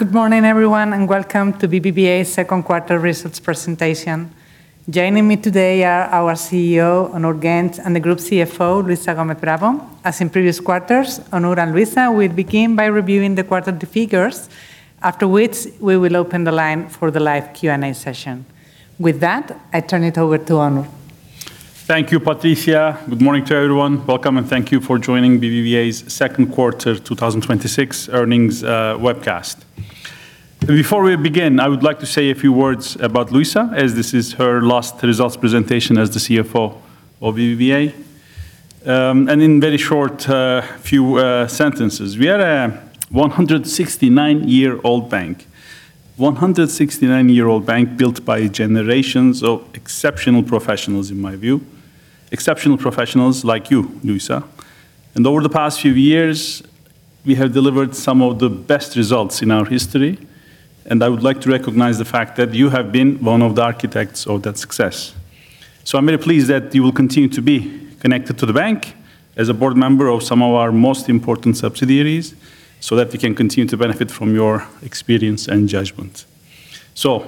Good morning, everyone, welcome to BBVA's second quarter results presentation. Joining me today are our CEO, Onur Genç, and the group CFO, Luisa Gómez Bravo. As in previous quarters, Onur and Luisa will begin by reviewing the quarter figures, after which we will open the line for the live Q&A session. With that, I turn it over to Onur. Thank you, Patricia. Good morning to everyone. Welcome, thank you for joining BBVA's second quarter 2026 earnings webcast. Before we begin, I would like to say a few words about Luisa, as this is her last results presentation as the CFO of BBVA. In very short, few sentences, we are a 169-year-old bank. 169-year-old bank built by generations of exceptional professionals, in my view. Exceptional professionals like you, Luisa. Over the past few years, we have delivered some of the best results in our history, and I would like to recognize the fact that you have been one of the architects of that success. I'm very pleased that you will continue to be connected to the bank as a board member of some of our most important subsidiaries so that we can continue to benefit from your experience and judgment.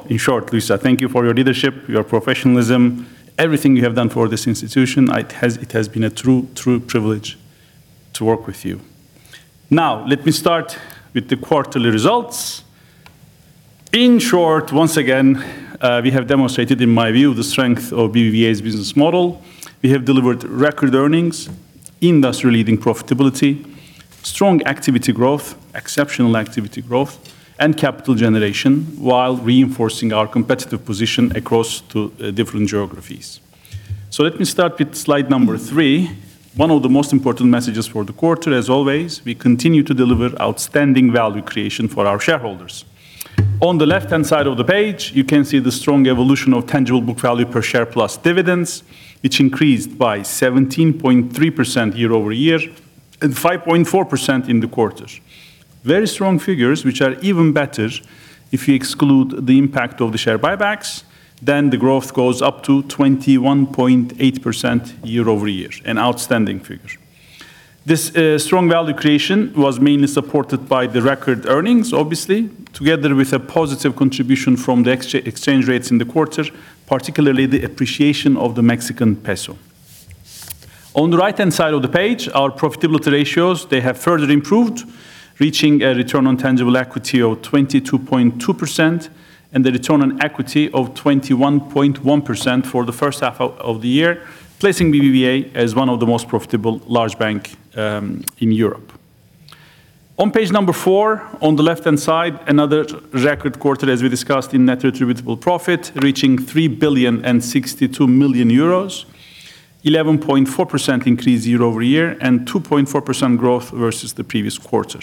In short, Luisa, thank you for your leadership, your professionalism, everything you have done for this institution. It has been a true privilege to work with you. Now, let me start with the quarterly results. In short, once again, we have demonstrated, in my view, the strength of BBVA's business model. We have delivered record earnings, industry-leading profitability, strong activity growth, exceptional activity growth, and capital generation while reinforcing our competitive position across two different geographies. Let me start with slide number three, one of the most important messages for the quarter. As always, we continue to deliver outstanding value creation for our shareholders. On the left-hand side of the page, you can see the strong evolution of tangible book value per share plus dividends, which increased by 17.3% year-over-year and 5.4% in the quarter. Very strong figures, which are even better if you exclude the impact of the share buybacks, the growth goes up to 21.8% year-over-year, an outstanding figure. This strong value creation was mainly supported by the record earnings, obviously, together with a positive contribution from the exchange rates in the quarter, particularly the appreciation of the Mexican peso. On the right-hand side of the page, our profitability ratios, they have further improved, reaching a return on tangible equity of 22.2% and the return on equity of 21.1% for the first half of the year, placing BBVA as one of the most profitable large banks in Europe. On page number four, on the left-hand side, another record quarter as we discussed in net attributable profit, reaching 3.062 billion, 11.4% increase year-over-year, and 2.4% growth versus the previous quarter.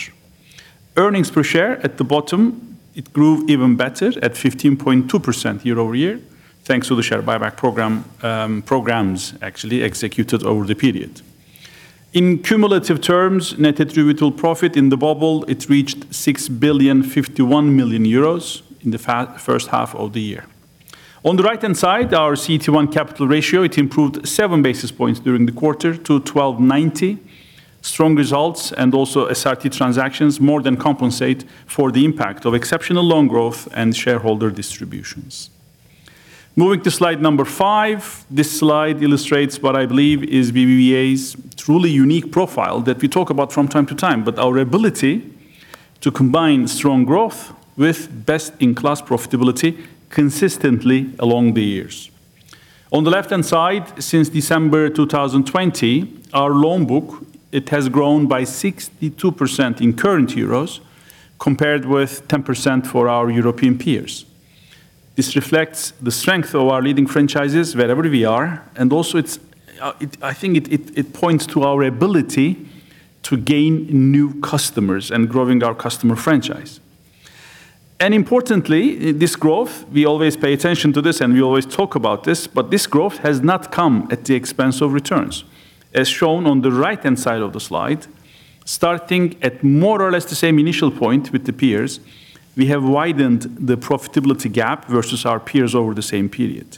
Earnings per share at the bottom, it grew even better at 15.2% year-over-year, thanks to the share buyback programs actually executed over the period. In cumulative terms, net attributable profit in the bubble, it reached 6.051 billion in the first half of the year. On the right-hand side, our CET1 capital ratio, it improved seven basis points during the quarter to 1,290. Strong results, SRT transactions more than compensate for the impact of exceptional loan growth and shareholder distributions. Moving to slide number five, this slide illustrates what I believe is BBVA's truly unique profile that we talk about from time to time, but our ability to combine strong growth with best-in-class profitability consistently along the years. On the left-hand side, since December 2020, our loan book, it has grown by 62% in current euros compared with 10% for our European peers. This reflects the strength of our leading franchises wherever we are, also I think it points to our ability to gain new customers and growing our customer franchise. Importantly, this growth, we always pay attention to this and we always talk about this, but this growth has not come at the expense of returns. As shown on the right-hand side of the slide, starting at more or less the same initial point with the peers, we have widened the profitability gap versus our peers over the same period.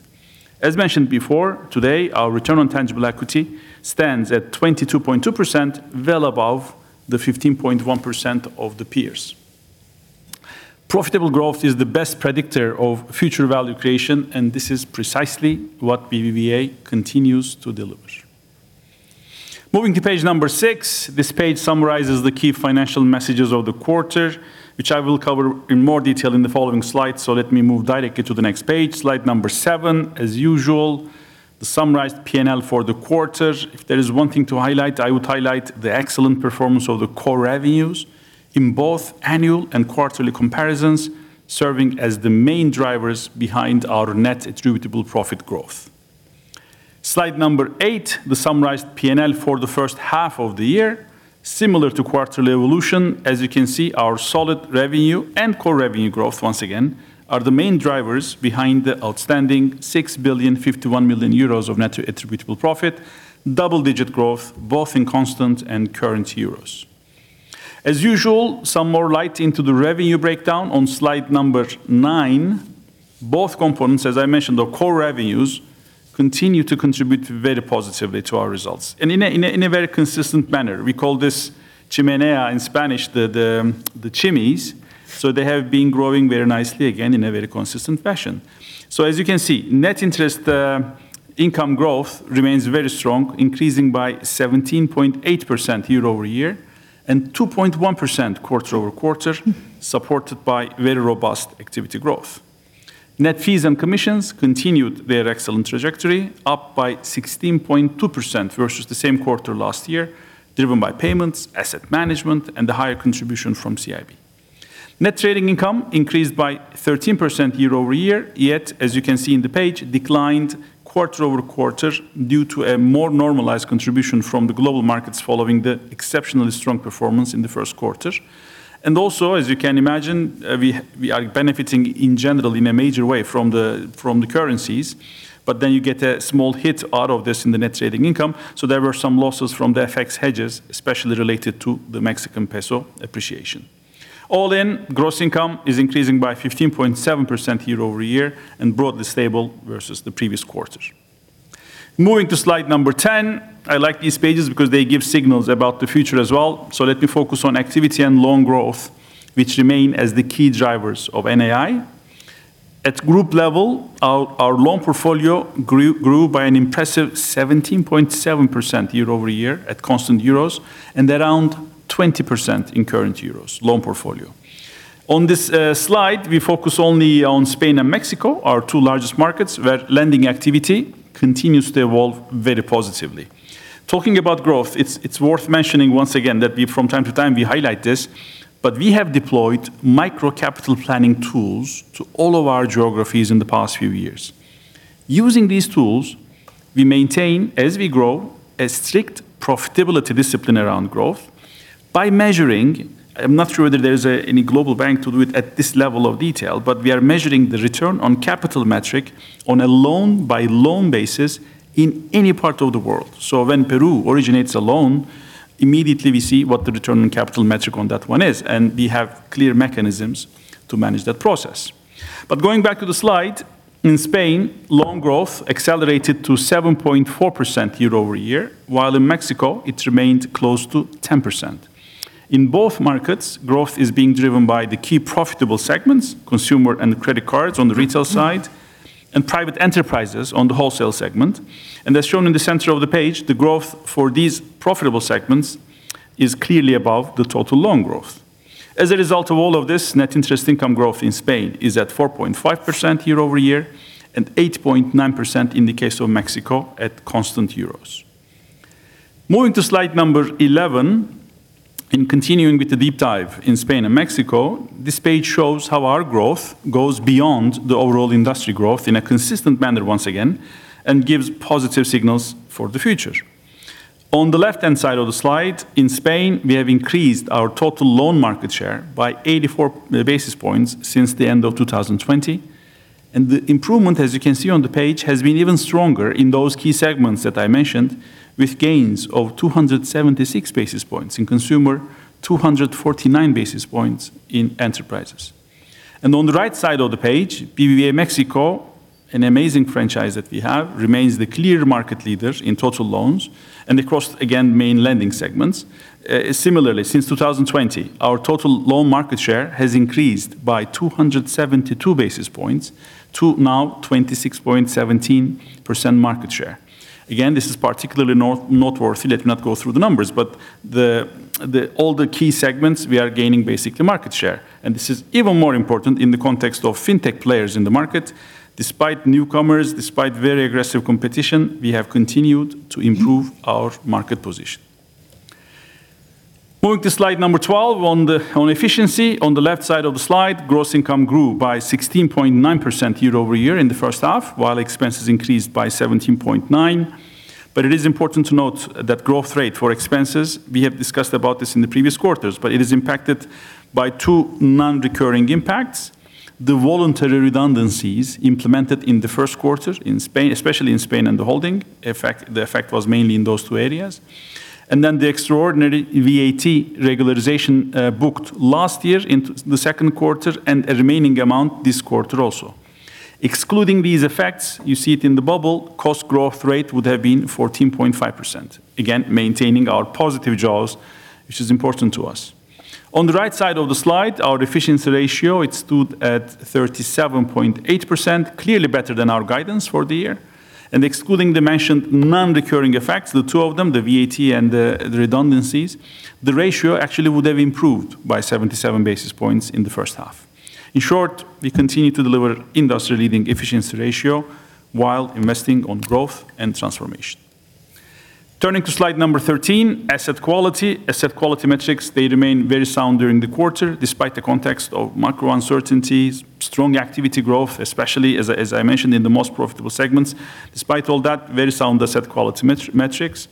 As mentioned before, today, our return on tangible equity stands at 22.2%, well above the 15.1% of the peers. Profitable growth is the best predictor of future value creation, and this is precisely what BBVA continues to deliver. Moving to page number six, this page summarizes the key financial messages of the quarter, which I will cover in more detail in the following slides. Let me move directly to the next page, slide number seven. As usual, the summarized P&L for the quarter. If there is one thing to highlight, I would highlight the excellent performance of the core revenues in both annual and quarterly comparisons, serving as the main drivers behind our net attributable profit growth. Slide number eight, the summarized P&L for the first half of the year. Similar to quarterly evolution, as you can see, our solid revenue and core revenue growth, once again, are the main drivers behind the outstanding 6.051 billion of net attributable profit, double-digit growth both in constant and current euros. As usual, some more light into the revenue breakdown on slide number nine. Both components, as I mentioned, our core revenues continue to contribute very positively to our results and in a very consistent manner. We call this chimenea in Spanish, the chimneys. They have been growing very nicely, again, in a very consistent fashion. As you can see, net interest income growth remains very strong, increasing by 17.8% year-over-year and 2.1% quarter-over-quarter, supported by very robust activity growth. Net fees and commissions continued their excellent trajectory, up by 16.2% versus the same quarter last year, driven by payments, asset management, and the higher contribution from CIB. Net trading income increased by 13% year-over-year. Yet, as you can see on the page, declined quarter-over-quarter due to a more normalized contribution from the global markets following the exceptionally strong performance in the first quarter. As you can imagine, we are benefiting in general in a major way from the currencies. You get a small hit out of this in the net trading income. There were some losses from the FX hedges, especially related to the Mexican peso appreciation. All in, gross income is increasing by 15.7% year-over-year and broadly stable versus the previous quarter. Moving to slide 10. I like these pages because they give signals about the future as well. Let me focus on activity and loan growth, which remain as the key drivers of NII. At group level, our loan portfolio grew by an impressive 17.7% year-over-year at constant EUR and around 20% in current EUR loan portfolio. On this slide, we focus only on Spain and Mexico, our two largest markets, where lending activity continues to evolve very positively. Talking about growth, it's worth mentioning once again that from time to time, we highlight this, we have deployed micro capital planning tools to all of our geographies in the past few years. Using these tools, we maintain, as we grow, a strict profitability discipline around growth by measuring, I'm not sure whether there's any global bank to do it at this level of detail, we are measuring the return on capital metric on a loan-by-loan basis in any part of the world. When Peru originates a loan, immediately we see what the return on capital metric on that one is, and we have clear mechanisms to manage that process. Going back to the slide, in Spain, loan growth accelerated to 7.4% year-over-year, while in Mexico it remained close to 10%. In both markets, growth is being driven by the key profitable segments, consumer and the credit cards on the retail side, and private enterprises on the wholesale segment. As shown in the center of the page, the growth for these profitable segments is clearly above the total loan growth. As a result of all of this, net interest income growth in Spain is at 4.5% year-over-year and 8.9% in the case of Mexico at constant EUR. Moving to slide 11 and continuing with the deep dive in Spain and Mexico, this page shows how our growth goes beyond the overall industry growth in a consistent manner once again and gives positive signals for the future. On the left-hand side of the slide, in Spain, we have increased our total loan market share by 84 basis points since the end of 2020, the improvement, as you can see on the page, has been even stronger in those key segments that I mentioned, with gains of 276 basis points in consumer, 249 basis points in enterprises. On the right side of the page, BBVA México, an amazing franchise that we have, remains the clear market leader in total loans and across, again, main lending segments. Similarly, since 2020, our total loan market share has increased by 272 basis points to now 26.17% market share. Again, this is particularly noteworthy. Let me not go through the numbers, all the key segments we are gaining basically market share, and this is even more important in the context of fintech players in the market. Despite newcomers, despite very aggressive competition, we have continued to improve our market position. Moving to slide number 12 on efficiency. On the left side of the slide, gross income grew by 16.9% year-over-year in the first half, while expenses increased by 17.9%. It is important to note that growth rate for expenses, we have discussed about this in the previous quarters, but it is impacted by two non-recurring impacts. The voluntary redundancies implemented in the first quarter, especially in Spain and the holding, the effect was mainly in those two areas. Then the extraordinary VAT regularization booked last year in the second quarter and a remaining amount this quarter also. Excluding these effects, you see it in the bubble, cost growth rate would have been 14.5%. Again, maintaining our positive jaws, which is important to us. On the right side of the slide, our efficiency ratio, it stood at 37.8%, clearly better than our guidance for the year. Excluding the mentioned non-recurring effects, the two of them, the VAT and the redundancies, the ratio actually would have improved by 77 basis points in the first half. In short, we continue to deliver industry-leading efficiency ratio while investing on growth and transformation. Turning to slide number 13, asset quality. Asset quality metrics, they remain very sound during the quarter despite the context of macro uncertainties, strong activity growth, especially as I mentioned in the most profitable segments. Despite all that, very sound asset quality metrics.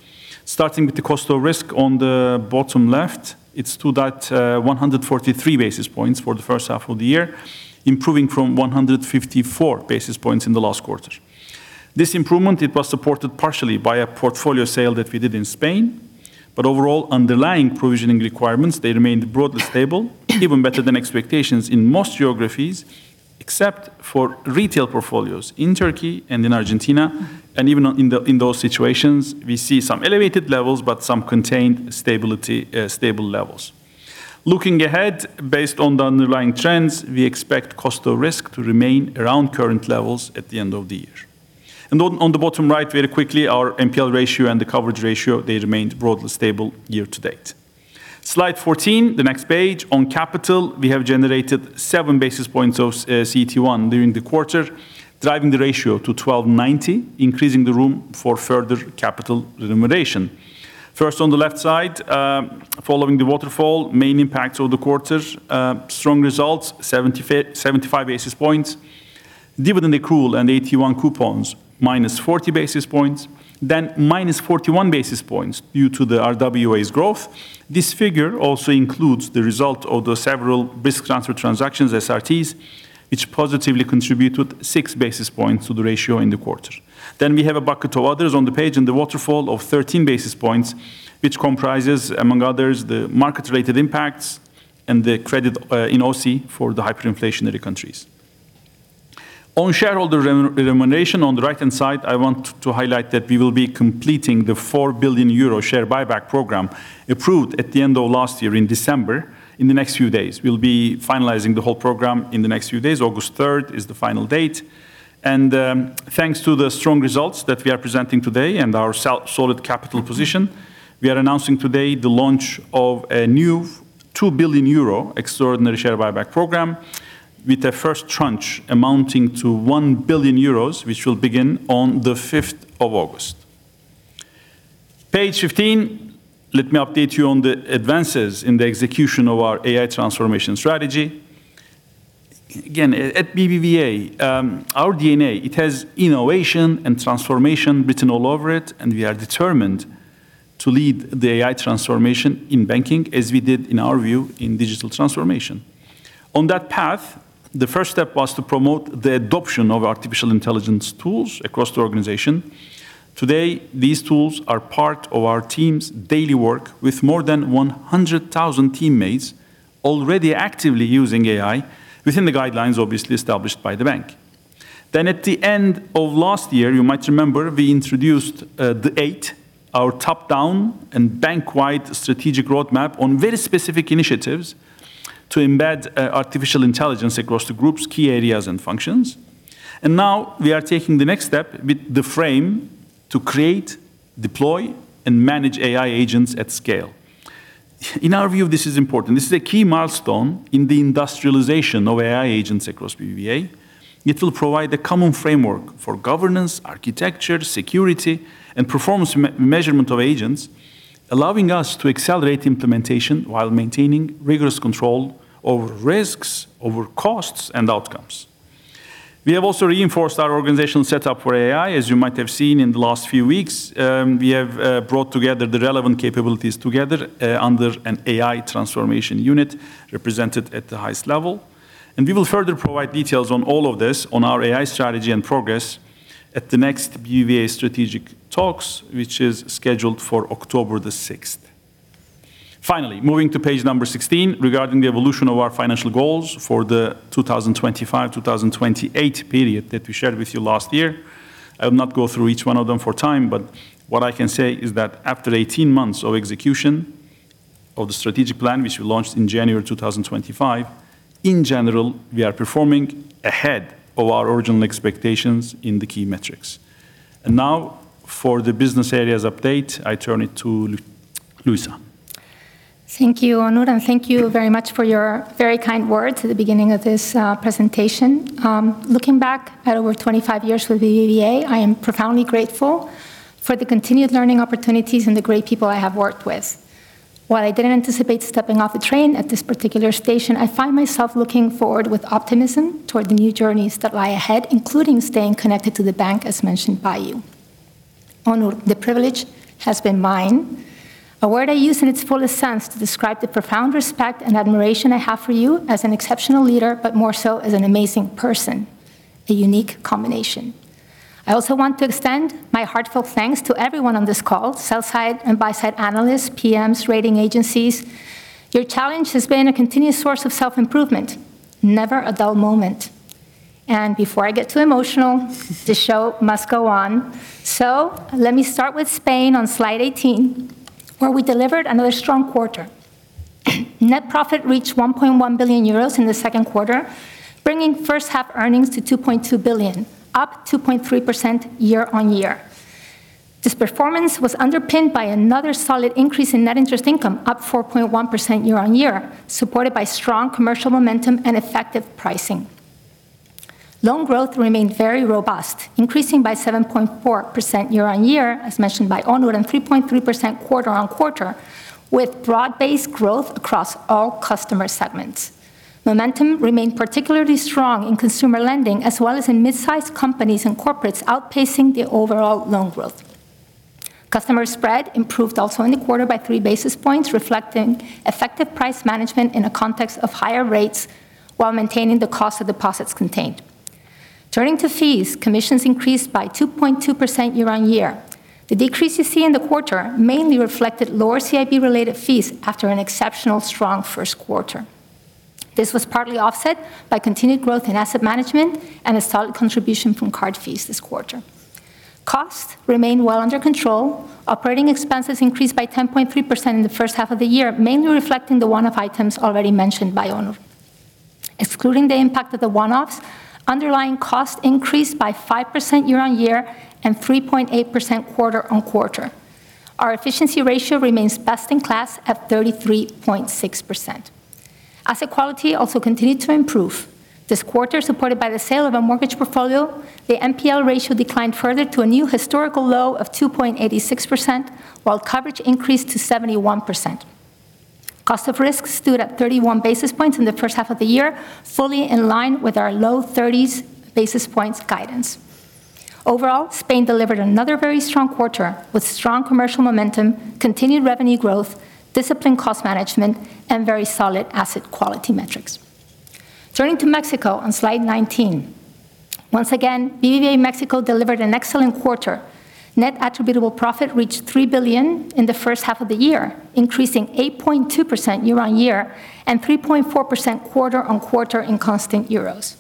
Starting with the cost of risk on the bottom left, it stood at 143 basis points for the first half of the year, improving from 154 basis points in the last quarter. This improvement, it was supported partially by a portfolio sale that we did in Spain. Overall, underlying provisioning requirements, they remained broadly stable, even better than expectations in most geographies, except for retail portfolios in Türkiye and in Argentina. Even in those situations, we see some elevated levels, but some contained stable levels. Looking ahead, based on the underlying trends, we expect cost of risk to remain around current levels at the end of the year. On the bottom right, very quickly, our NPL ratio and the coverage ratio, they remained broadly stable year-to-date. Slide 14, the next page. On capital, we have generated seven basis points of CET1 during the quarter, driving the ratio to 1290, increasing the room for further capital remuneration. First, on the left side, following the waterfall, main impacts of the quarter, strong results, 75 basis points. Dividend accrual and AT1 coupons, -40 basis points, then -41 basis points due to the RWAs growth. This figure also includes the result of the several risk transfer transactions, SRTs, which positively contributed six basis points to the ratio in the quarter. We have a bucket of others on the page and the waterfall of 13 basis points, which comprises, among others, the market-related impacts and the credit in OCI for the hyperinflationary countries. On shareholder remuneration, on the right-hand side, I want to highlight that we will be completing the 4 billion euro share buyback program approved at the end of last year in December, in the next few days. We will be finalizing the whole program in the next few days. August 3rd is the final date. Thanks to the strong results that we are presenting today and our solid capital position, we are announcing today the launch of a new 2 billion euro extraordinary share buyback program with the first tranche amounting to 1 billion euros, which will begin on the 5th of August. Page 15. Let me update you on the advances in the execution of our AI transformation strategy. Again, at BBVA, our DNA, it has innovation and transformation written all over it, and we are determined to lead the AI transformation in banking as we did, in our view, in digital transformation. On that path, the first step was to promote the adoption of artificial intelligence tools across the organization. Today, these tools are part of our team's daily work, with more than 100,000 teammates already actively using AI within the guidelines obviously established by the bank. At the end of last year, you might remember, we introduced the eight, our top-down and bank-wide strategic roadmap on very specific initiatives to embed artificial intelligence across the group's key areas and functions. Now we are taking the next step with the frame to create, deploy, and manage AI agents at scale. In our view, this is important. This is a key milestone in the industrialization of AI agents across BBVA. It will provide a common framework for governance, architecture, security, and performance measurement of agents, allowing us to accelerate implementation while maintaining rigorous control over risks, over costs, and outcomes. We have also reinforced our organizational setup for AI. As you might have seen in the last few weeks, we have brought together the relevant capabilities together under an AI transformation unit represented at the highest level. We will further provide details on all of this, on our AI strategy and progress, at the next BBVA strategic talks, which is scheduled for October the 6th. Finally, moving to page number 16, regarding the evolution of our financial goals for the 2025-2028 period that we shared with you last year. I will not go through each one of them for time, but what I can say is that after 18 months of execution of the strategic plan, which we launched in January 2025, in general, we are performing ahead of our original expectations in the key metrics. Now for the business areas update, I turn it to Luisa. Thank you, Onur, thank you very much for your very kind words at the beginning of this presentation. Looking back at over 25 years with BBVA, I am profoundly grateful for the continued learning opportunities and the great people I have worked with. While I didn't anticipate stepping off the train at this particular station, I find myself looking forward with optimism toward the new journeys that lie ahead, including staying connected to the bank, as mentioned by you. Onur, the privilege has been mine, a word I use in its fullest sense to describe the profound respect and admiration I have for you as an exceptional leader, but more so as an amazing person, a unique combination. I also want to extend my heartfelt thanks to everyone on this call, sell-side and buy-side analysts, PMs, rating agencies. Your challenge has been a continuous source of self-improvement. Never a dull moment. Before I get too emotional, the show must go on. Let me start with Spain on slide 18, where we delivered another strong quarter. Net profit reached 1.1 billion euros in the second quarter, bringing first-half earnings to 2.2 billion, up 2.3% year-over-year. This performance was underpinned by another solid increase in net interest income, up 4.1% year-over-year, supported by strong commercial momentum and effective pricing. Loan growth remained very robust, increasing by 7.4% year-over-year, as mentioned by Onur, and 3.3% quarter-on-quarter, with broad-based growth across all customer segments. Momentum remained particularly strong in consumer lending, as well as in mid-sized companies and corporates outpacing the overall loan growth. Customer spread improved also in the quarter by three basis points, reflecting effective price management in a context of higher rates while maintaining the cost of deposits contained. Turning to fees, commissions increased by 2.2% year-over-year. The decrease you see in the quarter mainly reflected lower CIB-related fees after an exceptionally strong first quarter. This was partly offset by continued growth in asset management and a solid contribution from card fees this quarter. Costs remain well under control. Operating expenses increased by 10.3% in the first half of the year, mainly reflecting the one-off items already mentioned by Onur. Excluding the impact of the one-offs, underlying costs increased by 5% year-over-year and 3.8% quarter-on-quarter. Our efficiency ratio remains best in class at 33.6%. Asset quality also continued to improve. This quarter, supported by the sale of a mortgage portfolio, the NPL ratio declined further to a new historical low of 2.86%, while coverage increased to 71%. Cost of risk stood at 31 basis points in the first half of the year, fully in line with our low 30s basis points guidance. Overall, Spain delivered another very strong quarter with strong commercial momentum, continued revenue growth, disciplined cost management, and very solid asset quality metrics. Turning to Mexico on slide 19. Once again, BBVA México delivered an excellent quarter. Net attributable profit reached 3 billion in the first half of the year, increasing 8.2% year-over-year and 3.4% quarter-on-quarter in constant euros.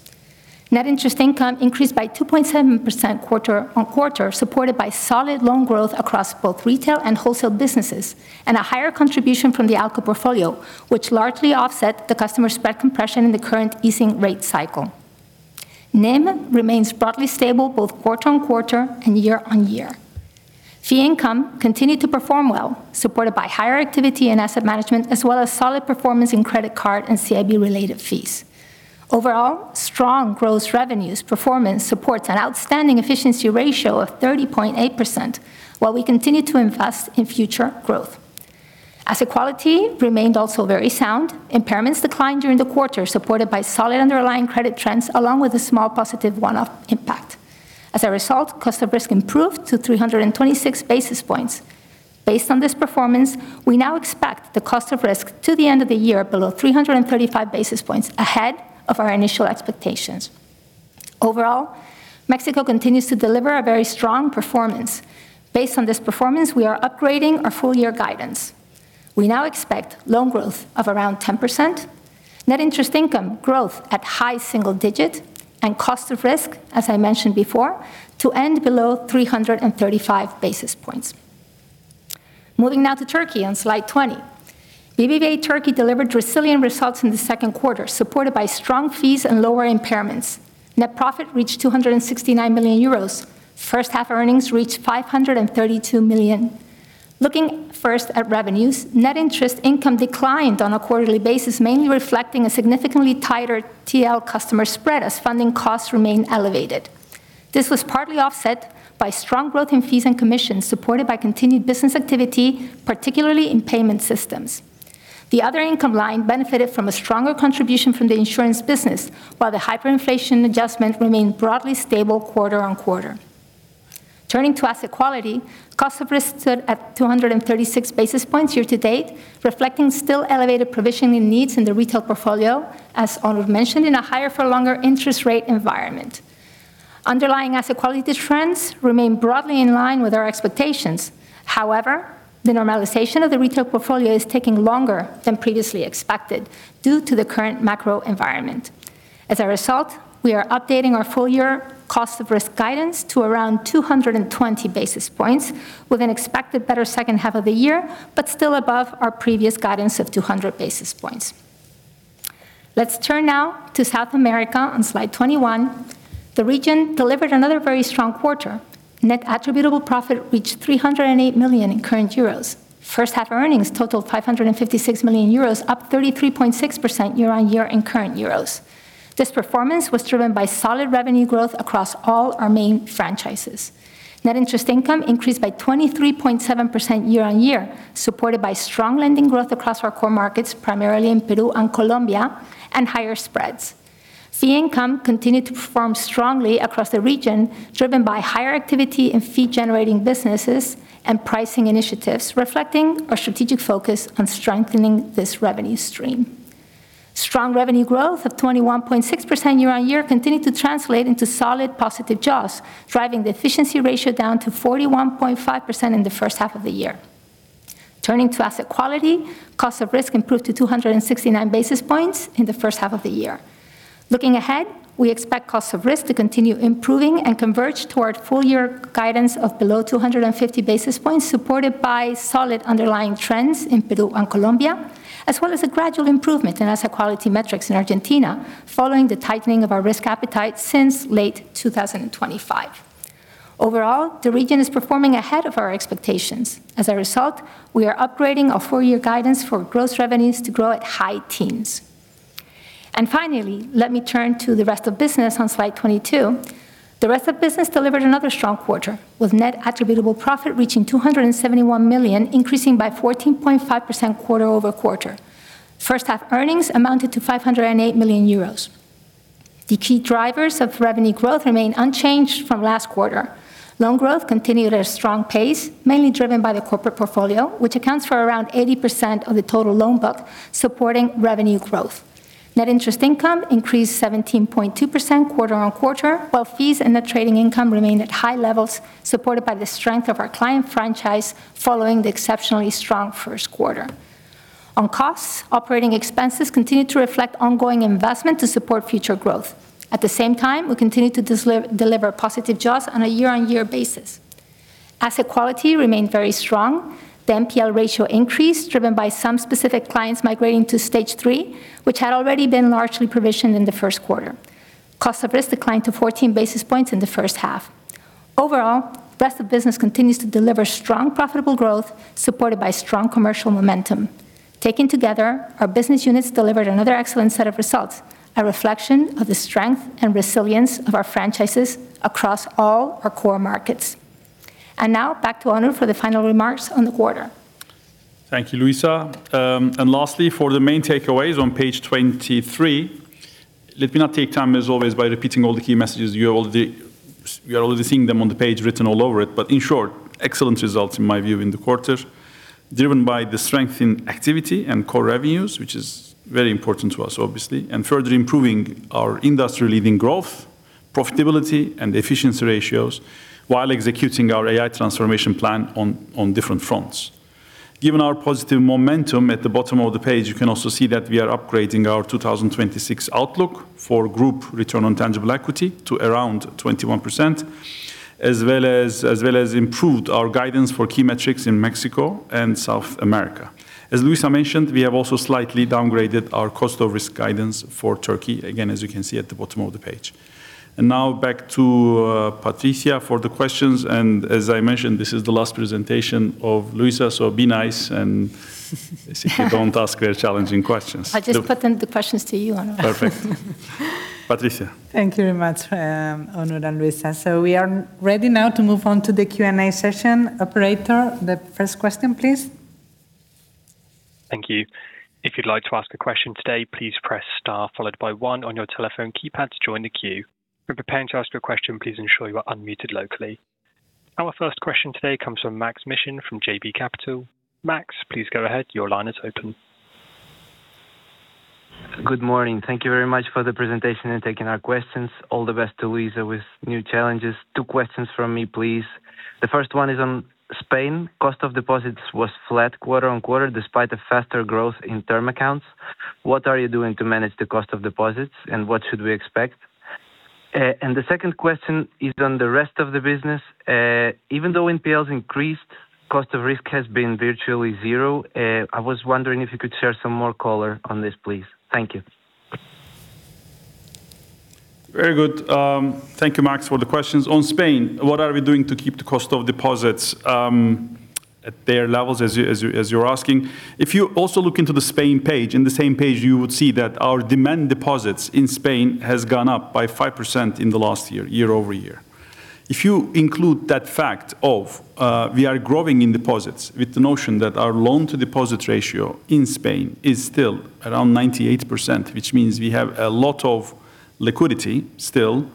Net interest income increased by 2.7% quarter-on-quarter, supported by solid loan growth across both retail and wholesale businesses and a higher contribution from the ALCO portfolio, which largely offset the customer spread compression in the current easing rate cycle. NIM remains broadly stable both quarter-on-quarter and year-over-year. Fee income continued to perform well, supported by higher activity in asset management as well as solid performance in credit card and CIB-related fees. Overall, strong gross revenues performance supports an outstanding efficiency ratio of 30.8% while we continue to invest in future growth. Asset quality remained also very sound. Impairments declined during the quarter, supported by solid underlying credit trends along with a small positive one-off impact. As a result, cost of risk improved to 326 basis points. Based on this performance, we now expect the cost of risk to the end of the year below 335 basis points, ahead of our initial expectations. Overall, Mexico continues to deliver a very strong performance. Based on this performance, we are upgrading our full-year guidance. We now expect loan growth of around 10%, net interest income growth at high single digits, and cost of risk, as I mentioned before, to end below 335 basis points. Moving now to Türkiye on slide 20. Garanti BBVA delivered resilient results in the second quarter, supported by strong fees and lower impairments. Net profit reached 269 million euros. First half earnings reached 532 million. Looking first at revenues, net interest income declined on a quarterly basis, mainly reflecting a significantly tighter TL customer spread as funding costs remain elevated. This was partly offset by strong growth in fees and commissions supported by continued business activity, particularly in payment systems. The other income line benefited from a stronger contribution from the insurance business, while the hyperinflation adjustment remained broadly stable quarter-on-quarter. Turning to asset quality, cost of risk stood at 236 basis points year to date, reflecting still elevated provisioning needs in the retail portfolio, as Onur mentioned, in a higher for longer interest rate environment. Underlying asset quality trends remain broadly in line with our expectations. However, the normalization of the retail portfolio is taking longer than previously expected due to the current macro environment. As a result, we are updating our full-year cost of risk guidance to around 220 basis points with an expected better second half of the year, but still above our previous guidance of 200 basis points. Let's turn now to South America on slide 21. The region delivered another very strong quarter. Net attributable profit reached 308 million in current EUR. First half earnings totaled 556 million euros, up 33.6% year-on-year in current EUR. This performance was driven by solid revenue growth across all our main franchises. Net interest income increased by 23.7% year-on-year, supported by strong lending growth across our core markets, primarily in Peru and Colombia, and higher spreads. Fee income continued to perform strongly across the region, driven by higher activity in fee-generating businesses and pricing initiatives, reflecting our strategic focus on strengthening this revenue stream. Strong revenue growth of 21.6% year-on-year continued to translate into solid positive jaws, driving the efficiency ratio down to 41.5% in the first half of the year. Turning to asset quality, cost of risk improved to 269 basis points in the first half of the year. Looking ahead, we expect cost of risk to continue improving and converge toward full-year guidance of below 250 basis points, supported by solid underlying trends in Peru and Colombia, as well as a gradual improvement in asset quality metrics in Argentina following the tightening of our risk appetite since late 2025. Overall, the region is performing ahead of our expectations. As a result, we are upgrading our full-year guidance for gross revenues to grow at high teens. Finally, let me turn to the rest of business on slide 22. The rest of business delivered another strong quarter, with net attributable profit reaching 271 million, increasing by 14.5% quarter-over-quarter. First half earnings amounted to 508 million euros. The key drivers of revenue growth remain unchanged from last quarter. Loan growth continued at a strong pace, mainly driven by the corporate portfolio, which accounts for around 80% of the total loan book, supporting revenue growth. Net interest income increased 17.2% quarter-on-quarter, while fees and net trading income remained at high levels, supported by the strength of our client franchise following the exceptionally strong first quarter. On costs, operating expenses continued to reflect ongoing investment to support future growth. At the same time, we continue to deliver positive jaws on a year-on-year basis. Asset quality remained very strong. The NPL ratio increased, driven by some specific clients migrating to stage 3, which had already been largely provisioned in the first quarter. Cost of risk declined to 14 basis points in the first half. Overall, rest of business continues to deliver strong profitable growth, supported by strong commercial momentum. Taken together, our business units delivered another excellent set of results, a reflection of the strength and resilience of our franchises across all our core markets. Now back to Onur for the final remarks on the quarter. Thank you, Luisa. Lastly, for the main takeaways on page 23, let me not take time as always by repeating all the key messages. You are already seeing them on the page written all over it, in short, excellent results in my view in the quarter, driven by the strength in activity and core revenues, which is very important to us, obviously, further improving our industry-leading growth, profitability, and efficiency ratios while executing our AI transformation plan on different fronts. Given our positive momentum at the bottom of the page, you can also see that we are upgrading our 2026 outlook for group return on tangible equity to around 21%, as well as improved our guidance for key metrics in Mexico and South America. As Luisa mentioned, we have also slightly downgraded our cost of risk guidance for Türkiye, again, as you can see at the bottom of the page. Now back to Patricia for the questions, and as I mentioned, this is the last presentation of Luisa, so be nice and basically don't ask her challenging questions. I'll just put the questions to you, Onur. Perfect. Patricia. Thank you very much, Onur and Luisa. We are ready now to move on to the Q&A session. Operator, the first question, please. Thank you. If you'd like to ask a question today, please press star followed by one on your telephone keypad to join the queue. When preparing to ask your question, please ensure you are unmuted locally. Our first question today comes from Maksym Mishyn from JB Capital. Max, please go ahead. Your line is open. Good morning. Thank you very much for the presentation and taking our questions. All the best to Luisa with new challenges. Two questions from me, please. The first one is on Spain. Cost of deposits was flat quarter-on-quarter despite a faster growth in term accounts. What are you doing to manage the cost of deposits and what should we expect? The second question is on the rest of the business. Even though NPLs increased, cost of risk has been virtually zero. I was wondering if you could share some more color on this, please. Thank you. Very good. Thank you, Maksym, for the questions. On Spain, what are we doing to keep the cost of deposits at their levels as you are asking? If you also look into the Spain page, in the same page, you would see that our demand deposits in Spain has gone up by 5% in the last year-over-year. If you include that fact of we are growing in deposits with the notion that our loan-to-deposit ratio in Spain is still around 98%, which means we have a lot of liquidity still,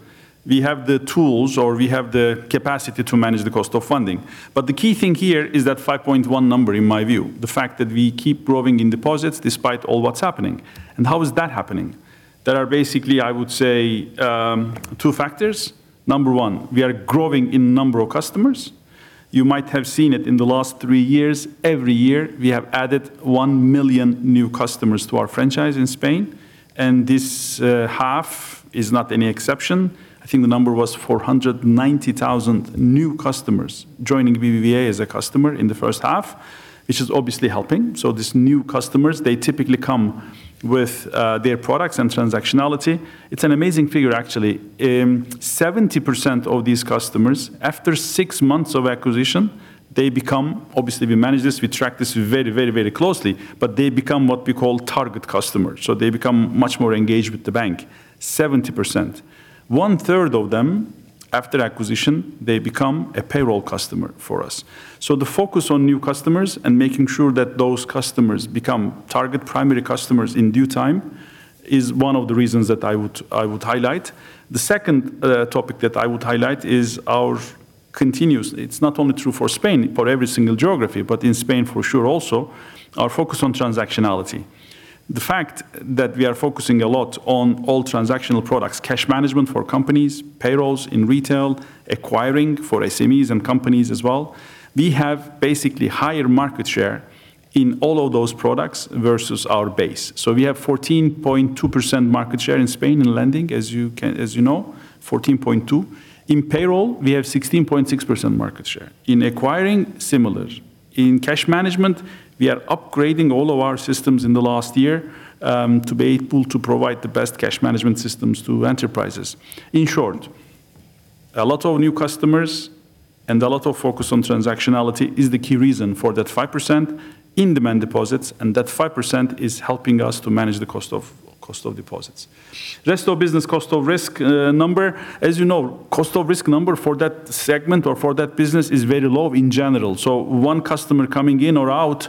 we have the tools or we have the capacity to manage the cost of funding. The key thing here is that 5.1 number in my view, the fact that we keep growing in deposits despite all what is happening. How is that happening? There are basically, I would say, two factors. Number one, we are growing in number of customers. You might have seen it in the last three years. Every year, we have added 1 million new customers to our franchise in Spain, and this half is not any exception. I think the number was 490,000 new customers joining BBVA as a customer in the first half, which is obviously helping. These new customers, they typically come with their products and transactionality. It is an amazing figure, actually. 70% of these customers, after six months of acquisition, they become, obviously, we manage this, we track this very closely, but they become what we call target customers. They become much more engaged with the bank, 70%. One third of them, after acquisition, they become a payroll customer for us. The focus on new customers and making sure that those customers become target primary customers in due time is one of the reasons that I would highlight. The second topic that I would highlight is our continuous, it is not only true for Spain, for every single geography, but in Spain for sure also, our focus on transactionality. The fact that we are focusing a lot on all transactional products, cash management for companies, payrolls in retail, acquiring for SMEs and companies as well. We have basically higher market share in all of those products versus our base. We have 14.2% market share in Spain in lending, as you know, 14.2%. In payroll, we have 16.6% market share. In acquiring, similar. In cash management, we are upgrading all of our systems in the last year to be able to provide the best cash management systems to enterprises. In short, a lot of new customers and a lot of focus on transactionality is the key reason for that 5%. In-demand deposits, that 5% is helping us to manage the cost of deposits. Rest of business cost of risk number. As you know, cost of risk number for that segment or for that business is very low in general. One customer coming in or out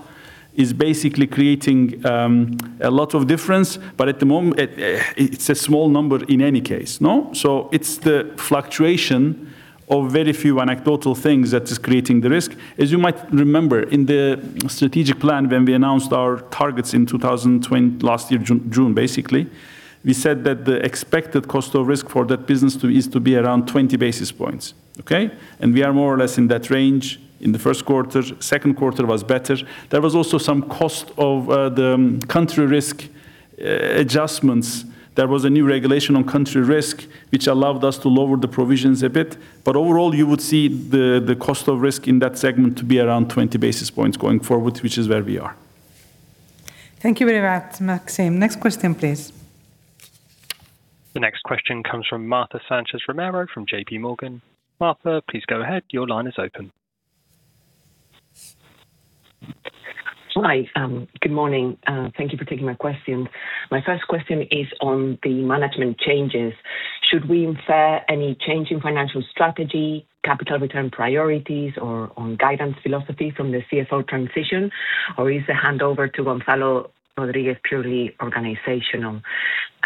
is basically creating a lot of difference. At the moment, it's a small number in any case. It's the fluctuation of very few anecdotal things that is creating the risk. As you might remember, in the strategic plan when we announced our targets in last year, June, we said that the expected cost of risk for that business is to be around 20 basis points. We are more or less in that range in the first quarter. Second quarter was better. There was also some cost of the country risk adjustments. There was a new regulation on country risk, which allowed us to lower the provisions a bit. Overall, you would see the cost of risk in that segment to be around 20 basis points going forward, which is where we are. Thank you very much, Maksym. Next question, please. The next question comes from Marta Sanchez Romero from JPMorgan. Marta, please go ahead. Your line is open. Hi. Good morning. Thank you for taking my question. My first question is on the management changes. Should we infer any change in financial strategy, capital return priorities, or on guidance philosophy from the CFO transition, or is the handover to Gonzalo Rodriguez purely organizational?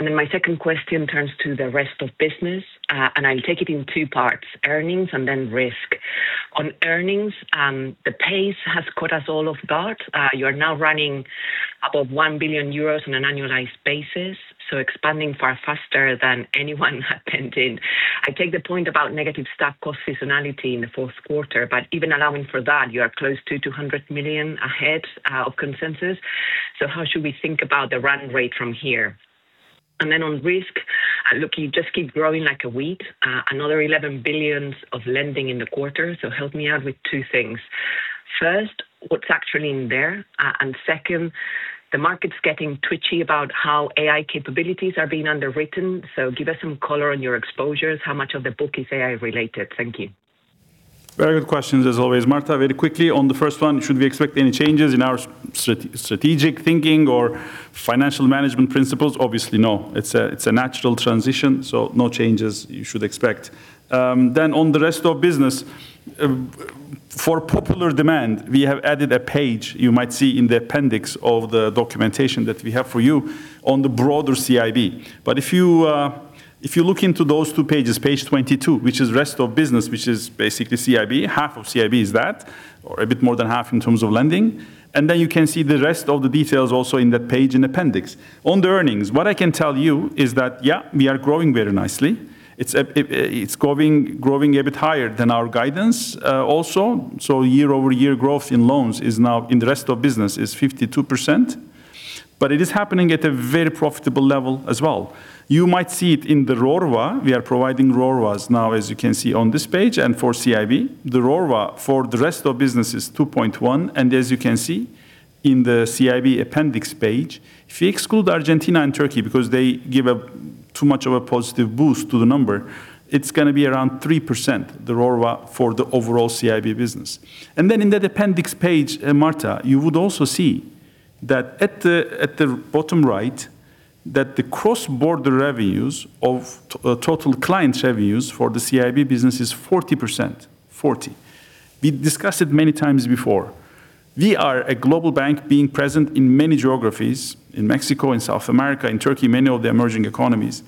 My second question turns to the rest of business, and I'll take it in two parts, earnings and then risk. On earnings, the pace has caught us all off guard. You are now running above 1 billion euros on an annualized basis, expanding far faster than anyone had penned in. I take the point about negative staff cost seasonality in the fourth quarter, even allowing for that, you are close to 200 million ahead of consensus. How should we think about the run rate from here? On risk, look, you just keep growing like a weed. Another 11 billion of lending in the quarter. Help me out with two things. First, what's actually in there? Second, the market's getting twitchy about how AI capabilities are being underwritten. Give us some color on your exposures. How much of the book is AI related? Thank you. Very good questions as always, Marta. Very quickly on the first one, should we expect any changes in our strategic thinking or financial management principles? Obviously, no. It's a natural transition, no changes you should expect. On the rest of business, for popular demand, we have added a page you might see in the appendix of the documentation that we have for you on the broader CIB. If you look into those two pages, page 22, which is rest of business, which is basically CIB, half of CIB is that, or a bit more than half in terms of lending. You can see the rest of the details also in that page in appendix. On the earnings, what I can tell you is that, yeah, we are growing very nicely. It's growing a bit higher than our guidance also. Year-over-year growth in loans in the rest of business is 52%, it is happening at a very profitable level as well. You might see it in the RORWA. We are providing RORWAs now, as you can see on this page, and for CIB. The RORWA for the rest of business is 2.1%, as you can see in the CIB appendix page, if you exclude Argentina and Türkiye because they give too much of a positive boost to the number, it's going to be around 3%, the RORWA for the overall CIB business. In that appendix page, Marta, you would also see that at the bottom right, that the cross-border revenues of total client revenues for the CIB business is 40%. 40%. We discussed it many times before. We are a global bank being present in many geographies, in Mexico, in South America, in Türkiye, many of the emerging economies.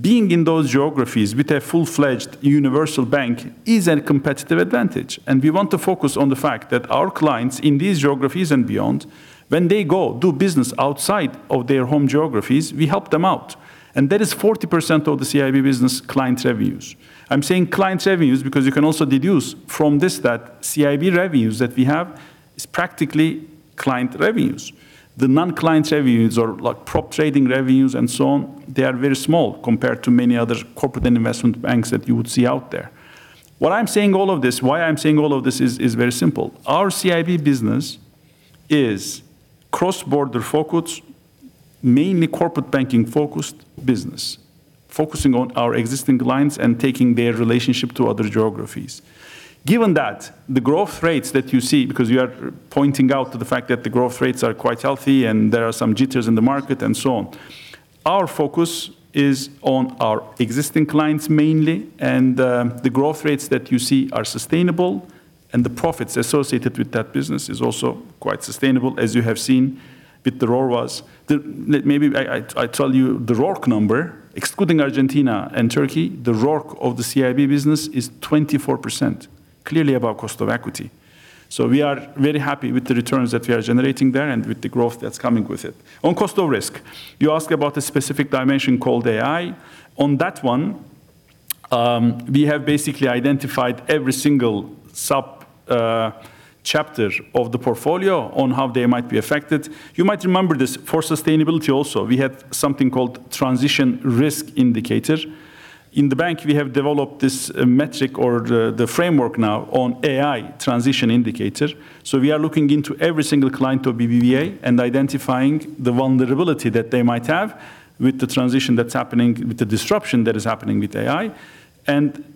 Being in those geographies with a full-fledged universal bank is a competitive advantage, and we want to focus on the fact that our clients in these geographies and beyond, when they go do business outside of their home geographies, we help them out. That is 40% of the CIB business client revenues. I'm saying client revenues because you can also deduce from this that CIB revenues that we have is practically client revenues. The non-client revenues are prop trading revenues and so on. They are very small compared to many other corporate and investment banks that you would see out there. Why I'm saying all of this is very simple. Our CIB business is cross-border focused, mainly corporate banking-focused business, focusing on our existing clients and taking their relationship to other geographies. Given that, the growth rates that you see, because you are pointing out to the fact that the growth rates are quite healthy and there are some jitters in the market and so on, our focus is on our existing clients mainly, and the growth rates that you see are sustainable, and the profits associated with that business is also quite sustainable, as you have seen with the RORWAs. Maybe I tell you the RORC number, excluding Argentina and Türkiye, the RORC of the CIB business is 24%, clearly above cost of equity. We are very happy with the returns that we are generating there and with the growth that's coming with it. On cost of risk, you ask about a specific dimension called AI. On that one, we have basically identified every single sub-chapter of the portfolio on how they might be affected. You might remember this for sustainability also. We had something called transition risk indicator. In the bank, we have developed this metric or the framework now on AI transition indicator. We are looking into every single client of BBVA and identifying the vulnerability that they might have with the transition that's happening, with the disruption that is happening with AI.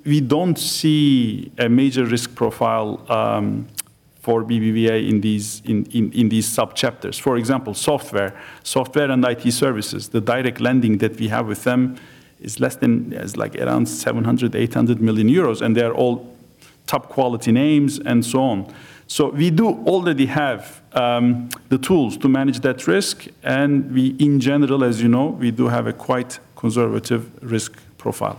We don't see a major risk profile for BBVA in these subchapters. For example, software and IT services, the direct lending that we have with them is around 700 million-800 million euros, and they're all top-quality names and so on. We do already have the tools to manage that risk, and we, in general, as you know, we do have a quite conservative risk profile.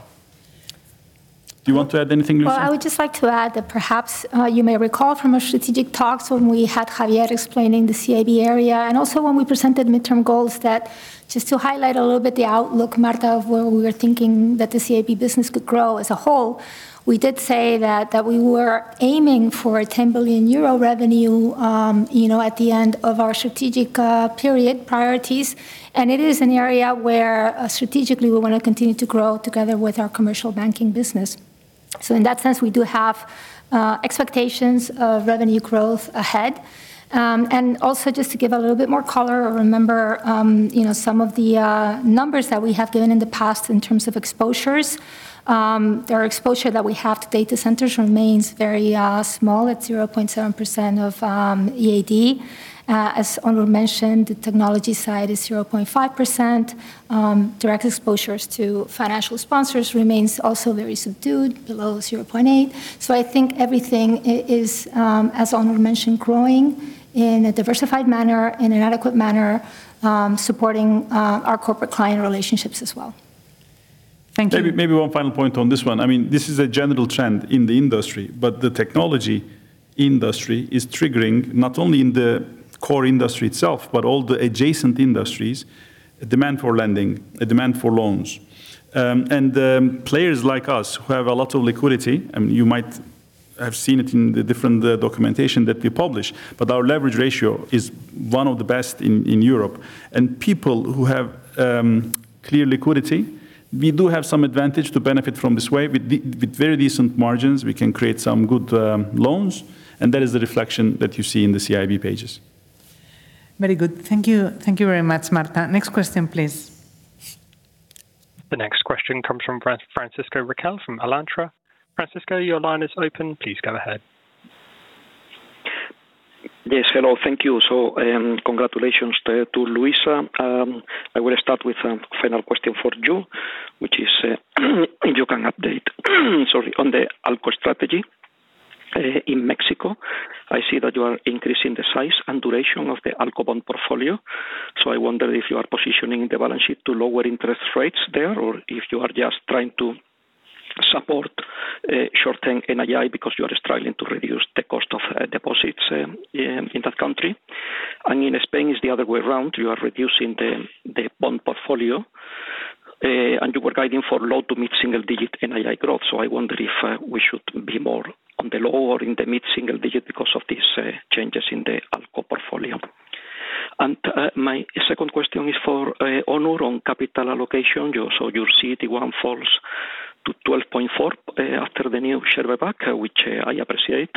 Do you want to add anything, Luisa? Well, I would just like to add that perhaps you may recall from our strategic talks when we had Javier explaining the CIB area, also when we presented midterm goals, just to highlight a little bit the outlook, Marta, of where we were thinking that the CIB business could grow as a whole. We did say that we were aiming for a 10 billion euro revenue at the end of our strategic period priorities. It is an area where strategically we want to continue to grow together with our commercial banking business. In that sense, we do have expectations of revenue growth ahead. Also just to give a little bit more color, remember some of the numbers that we have given in the past in terms of exposures, the exposure that we have to data centers remains very small at 0.7% of EAD. As Onur mentioned, the technology side is 0.5%. Direct exposures to financial sponsors remains also very subdued, below 0.8%. I think everything is, as Onur mentioned, growing in a diversified manner, in an adequate manner, supporting our corporate client relationships as well. Thank you. Maybe one final point on this one. This is a general trend in the industry, the technology industry is triggering, not only in the core industry itself, all the adjacent industries, a demand for lending, a demand for loans. Players like us who have a lot of liquidity, you might have seen it in the different documentation that we publish, our leverage ratio is one of the best in Europe. People who have clear liquidity, we do have some advantage to benefit from this wave. With very decent margins, we can create some good loans, that is the reflection that you see in the CIB pages. Very good. Thank you. Thank you very much, Marta. Next question, please. The next question comes from Francisco Riquel from Alantra. Francisco, your line is open. Please go ahead. Yes, hello. Thank you. Congratulations to Luisa. I will start with a final question for you, which is, if you can update on the ALCO strategy in Mexico. I see that you are increasing the size and duration of the ALCO bond portfolio, so I wonder if you are positioning the balance sheet to lower interest rates there, or if you are just trying to support shorting NII because you are struggling to reduce the cost of deposits in that country. In Spain, it's the other way around. You are reducing the bond portfolio, and you were guiding for low-to-mid single digit NII growth. I wonder if we should be more on the low or in the mid-single digit because of these changes in the ALCO portfolio. My second question is for Onur on capital allocation. Your CET1 falls to 12.4% after the new share buyback, which I appreciate.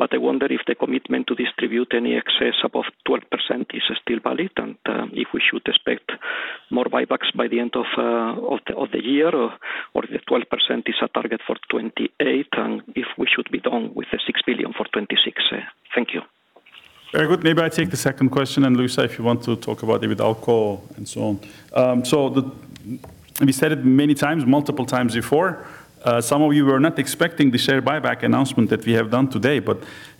I wonder if the commitment to distribute any excess above 12% is still valid, if we should expect more buybacks by the end of the year, or if the 12% is a target for 2028, if we should be done with the 6 billion for 2026. Thank you. Very good. Maybe I take the second question, Luisa, if you want to talk about it with ALCO and so on. We said it many times, multiple times before. Some of you were not expecting the share buyback announcement that we have done today,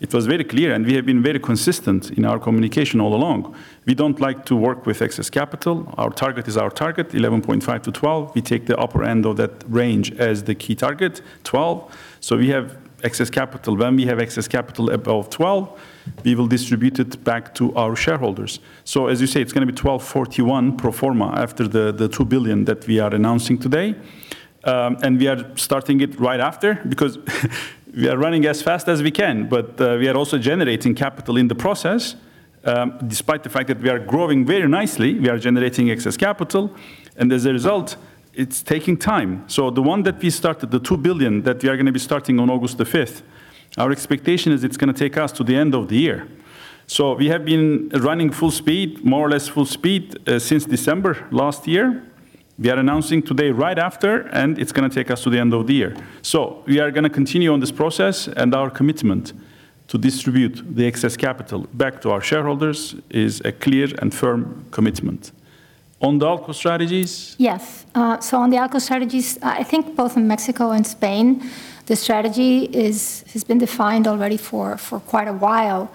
it was very clear, and we have been very consistent in our communication all along. We don't like to work with excess capital. Our target is our target, 11.5%-12%. We take the upper end of that range as the key target, 12%. We have excess capital. When we have excess capital above 12%, we will distribute it back to our shareholders. As you say, it's going to be 12.41% pro forma after the 2 billion that we are announcing today. We are starting it right after because we are running as fast as we can. We are also generating capital in the process. Despite the fact that we are growing very nicely, we are generating excess capital. As a result, it's taking time. The one that we started, the 2 billion that we are going to be starting on August 5th, our expectation is it's going to take us to the end of the year. We have been running full speed, more or less full speed, since December last year. We are announcing today right after, and it's going to take us to the end of the year. We are going to continue on this process and our commitment to distribute the excess capital back to our shareholders is a clear and firm commitment. On the ALCO strategies? Yes. On the ALCO strategies, I think both in Mexico and Spain, the strategy has been defined already for quite a while,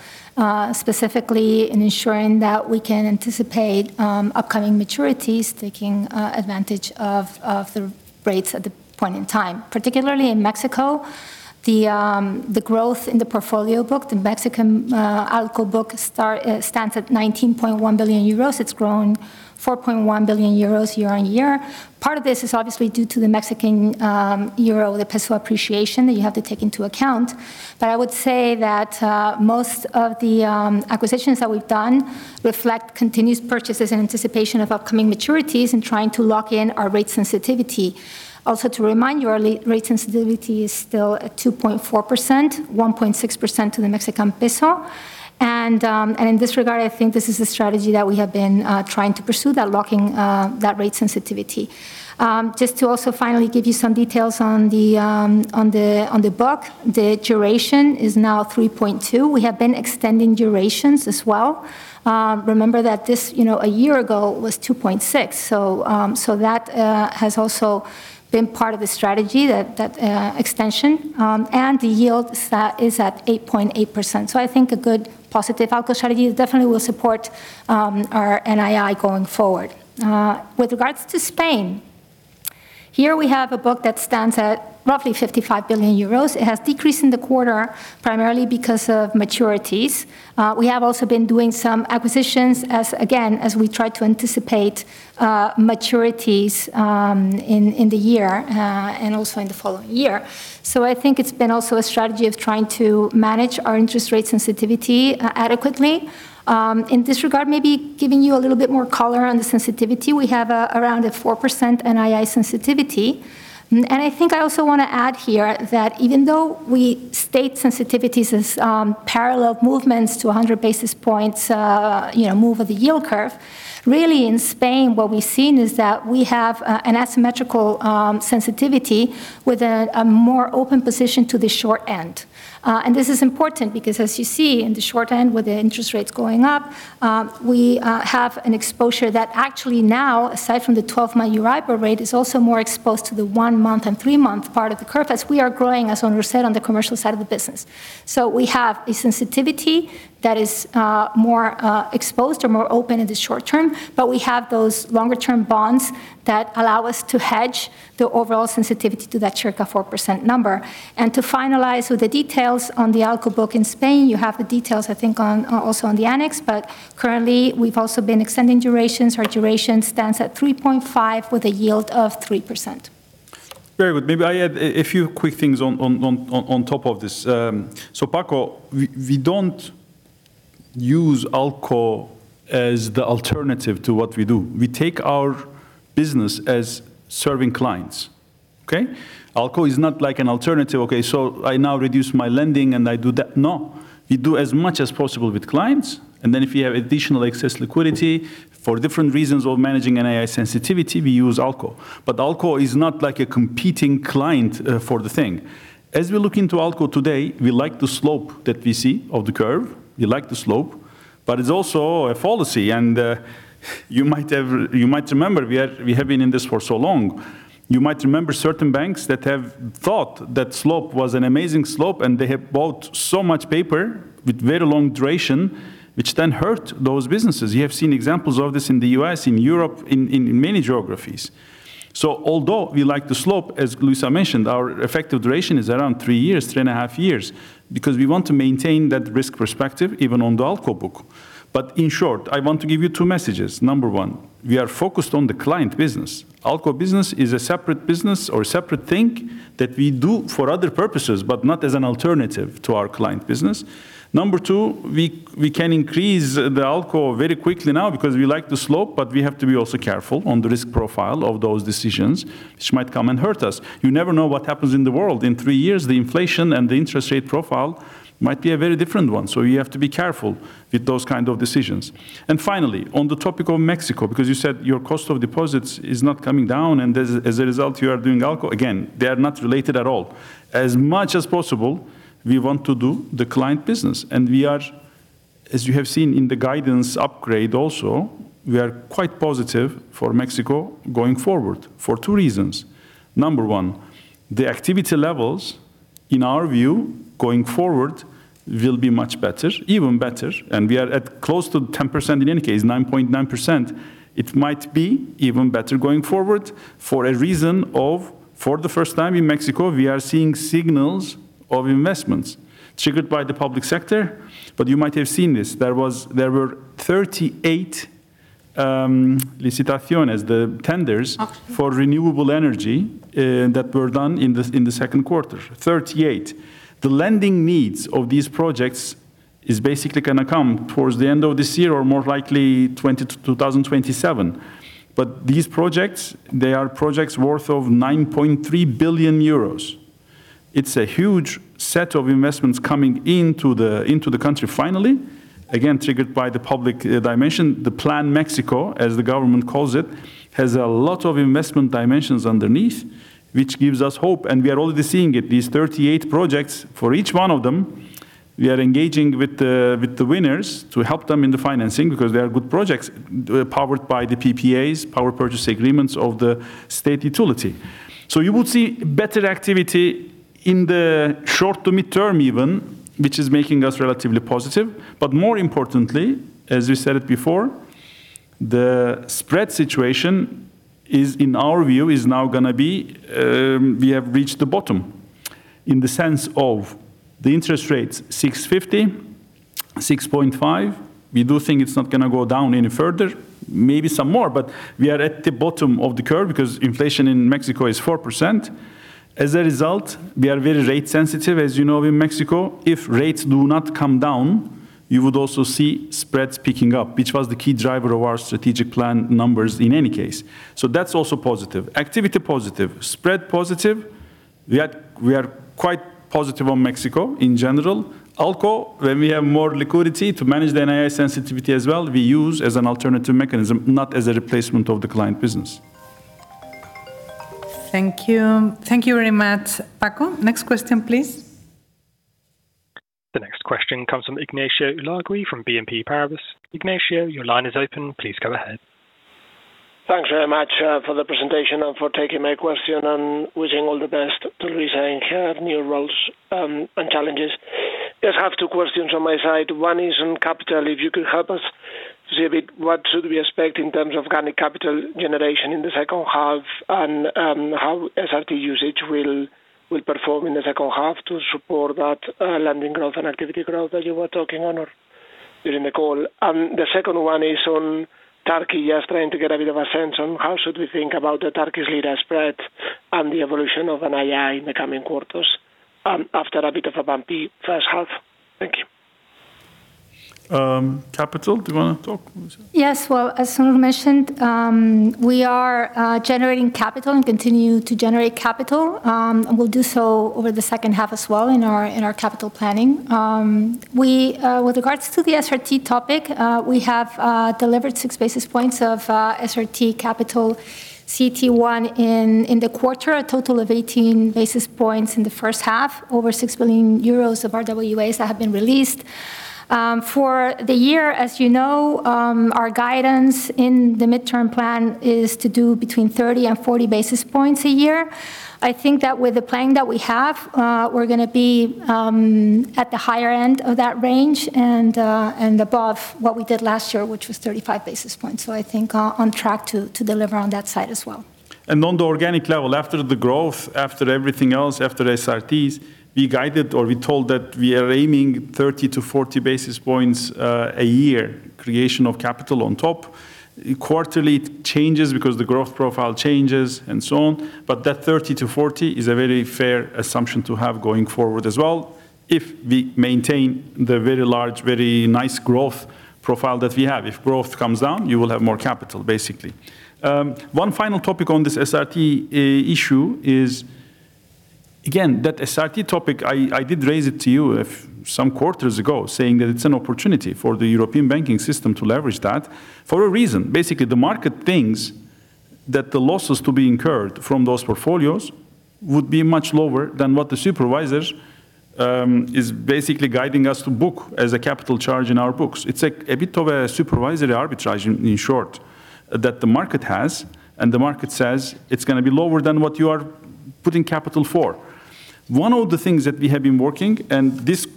specifically in ensuring that we can anticipate upcoming maturities, taking advantage of the rates at the point in time. Particularly in Mexico, the growth in the portfolio book, the Mexican ALCO book stands at €19.1 billion. It's grown €4.1 billion year-on-year. Part of this is obviously due to the MXN peso appreciation that you have to take into account. I would say that most of the acquisitions that we've done reflect continuous purchases in anticipation of upcoming maturities and trying to lock in our rate sensitivity. Also, to remind you, our rate sensitivity is still at 2.4%, 1.6% to the Mexican peso. In this regard, I think this is a strategy that we have been trying to pursue, that locking that rate sensitivity. Just to also finally give you some details on the book, the duration is now 3.2. We have been extending durations as well. Remember that this, a year ago, was 2.6. That has also been part of the strategy, that extension, and the yield is at 8.8%. I think a good positive ALCO strategy definitely will support our NII going forward. With regards to Spain, here we have a book that stands at roughly €55 billion. It has decreased in the quarter primarily because of maturities. We have also been doing some acquisitions, again, as we try to anticipate maturities in the year and also in the following year. I think it's been also a strategy of trying to manage our interest rate sensitivity adequately. In this regard, maybe giving you a little bit more color on the sensitivity, we have around a 4% NII sensitivity. I think I also want to add here that even though we state sensitivities as parallel movements to 100 basis points, move of the yield curve, really in Spain what we've seen is that we have an asymmetrical sensitivity with a more open position to the short end. This is important because as you see in the short end with the interest rates going up, we have an exposure that actually now, aside from the 12-month EURIBOR rate, is also more exposed to the one-month and three-month part of the curve as we are growing, as Onur said, on the commercial side of the business. We have a sensitivity that is more exposed or more open in the short term, but we have those longer-term bonds that allow us to hedge the overall sensitivity to that circa 4% number. To finalize with the details on the ALCO book in Spain, you have the details I think also on the annex, but currently we've also been extending durations. Our duration stands at 3.5 with a yield of 3%. Very good. Maybe I add a few quick things on top of this. Paco, we don't use ALCO as the alternative to what we do. We take our business as serving clients. Okay? ALCO is not like an alternative. I now reduce my lending and I do that. No. You do as much as possible with clients, and then if you have additional excess liquidity for different reasons of managing NII sensitivity, we use ALCO. ALCO is not like a competing client for the thing. We look into ALCO today, we like the slope that we see of the curve. We like the slope, but it's also a fallacy. You might remember, we have been in this for so long. You might remember certain banks that have thought that slope was an amazing slope. They have bought so much paper with very long duration, which then hurt those businesses. You have seen examples of this in the U.S., in Europe, in many geographies. Although we like the slope, as Luisa mentioned, our effective duration is around three years, three and a half years, because we want to maintain that risk perspective even on the ALCO book. In short, I want to give you two messages. Number one, we are focused on the client business. ALCO business is a separate business or a separate thing that we do for other purposes, but not as an alternative to our client business. Number two, we can increase the ALCO very quickly now because we like the slope, but we have to be also careful on the risk profile of those decisions, which might come and hurt us. You never know what happens in the world. In three years, the inflation and the interest rate profile might be a very different one. You have to be careful with those kinds of decisions. Finally, on the topic of Mexico, because you said your cost of deposits is not coming down, and as a result, you are doing ALCO. Again, they are not related at all. As much as possible, we want to do the client business, and we are, as you have seen in the guidance upgrade also, we are quite positive for Mexico going forward for two reasons. Number one, the activity levels, in our view, going forward, will be much better, even better, and we are at close to 10% in any case, 9.9%. It might be even better going forward for a reason of, for the first time in Mexico, we are seeing signals of investments triggered by the public sector. You might have seen this. There were 38 licitaciones, the tenders for renewable energy that were done in the second quarter. 38. The lending needs of these projects is basically going to come towards the end of this year, or more likely 2027. These projects, they are projects worth of 9.3 billion euros. It's a huge set of investments coming into the country finally, again, triggered by the public dimension. The Plan Mexico, as the government calls it, has a lot of investment dimensions underneath, which gives us hope, and we are already seeing it. These 38 projects, for each one of them, we are engaging with the winners to help them in the financing because they are good projects powered by the PPAs, power purchase agreements of the state utility. You would see better activity in the short to mid-term even, which is making us relatively positive. More importantly, as you said it before, the spread situation, in our view, we have reached the bottom in the sense of the interest rates 650, 6.5. We do think it's not going to go down any further. Maybe some more, but we are at the bottom of the curve because inflation in Mexico is 4%. As a result, we are very rate sensitive. As you know, in Mexico, if rates do not come down, you would also see spreads picking up, which was the key driver of our strategic plan numbers in any case. That's also positive. Activity positive, spread positive We are quite positive on Mexico in general. ALCO, when we have more liquidity to manage the NII sensitivity as well, we use as an alternative mechanism, not as a replacement of the client business. Thank you. Thank you very much, Paco. Next question, please. The next question comes from Ignacio Ulargui from BNP Paribas. Ignacio, your line is open. Please go ahead. Thanks very much for the presentation and for taking my question, and wishing all the best to Luisa in her new roles and challenges. Just have two questions on my side. One is on capital. If you could help us see a bit, what should we expect in terms of organic capital generation in the second half? How SRT usage will perform in the second half to support that lending growth and activity growth that you were talking on during the call. The second one is on Türkiye, just trying to get a bit of a sense on how should we think about the Turkish lira spread and the evolution of NII in the coming quarters after a bit of a bumpy first half? Thank you. Capital, do you want to talk, Luisa? Yes. Well, as Onur mentioned, we are generating capital and continue to generate capital. We will do so over the second half as well in our capital planning. With regards to the SRT topic, we have delivered 6 basis points of SRT capital CET1 in the quarter, a total of 18 basis points in the first half, over 6 billion euros of RWAs that have been released. For the year, as you know, our guidance in the midterm plan is to do between 30 and 40 basis points a year. I think that with the planning that we have, we are going to be at the higher end of that range and above what we did last year, which was 35 basis points. I think on track to deliver on that side as well. On the organic level, after the growth, after everything else, after SRTs, we guided or we told that we are aiming 30 to 40 basis points a year creation of capital on top. Quarterly, it changes because the growth profile changes, and so on. That 30 to 40 is a very fair assumption to have going forward as well if we maintain the very large, very nice growth profile that we have. If growth comes down, you will have more capital, basically. One final topic on this SRT issue is, again, that SRT topic, I did raise it to you some quarters ago saying that it is an opportunity for the European banking system to leverage that for a reason. Basically, the market thinks that the losses to be incurred from those portfolios would be much lower than what the supervisors is basically guiding us to book as a capital charge in our books. It is a bit of a supervisory arbitrage in short that the market has, and the market says it is going to be lower than what you are putting capital for. One of the things that we have been working, and this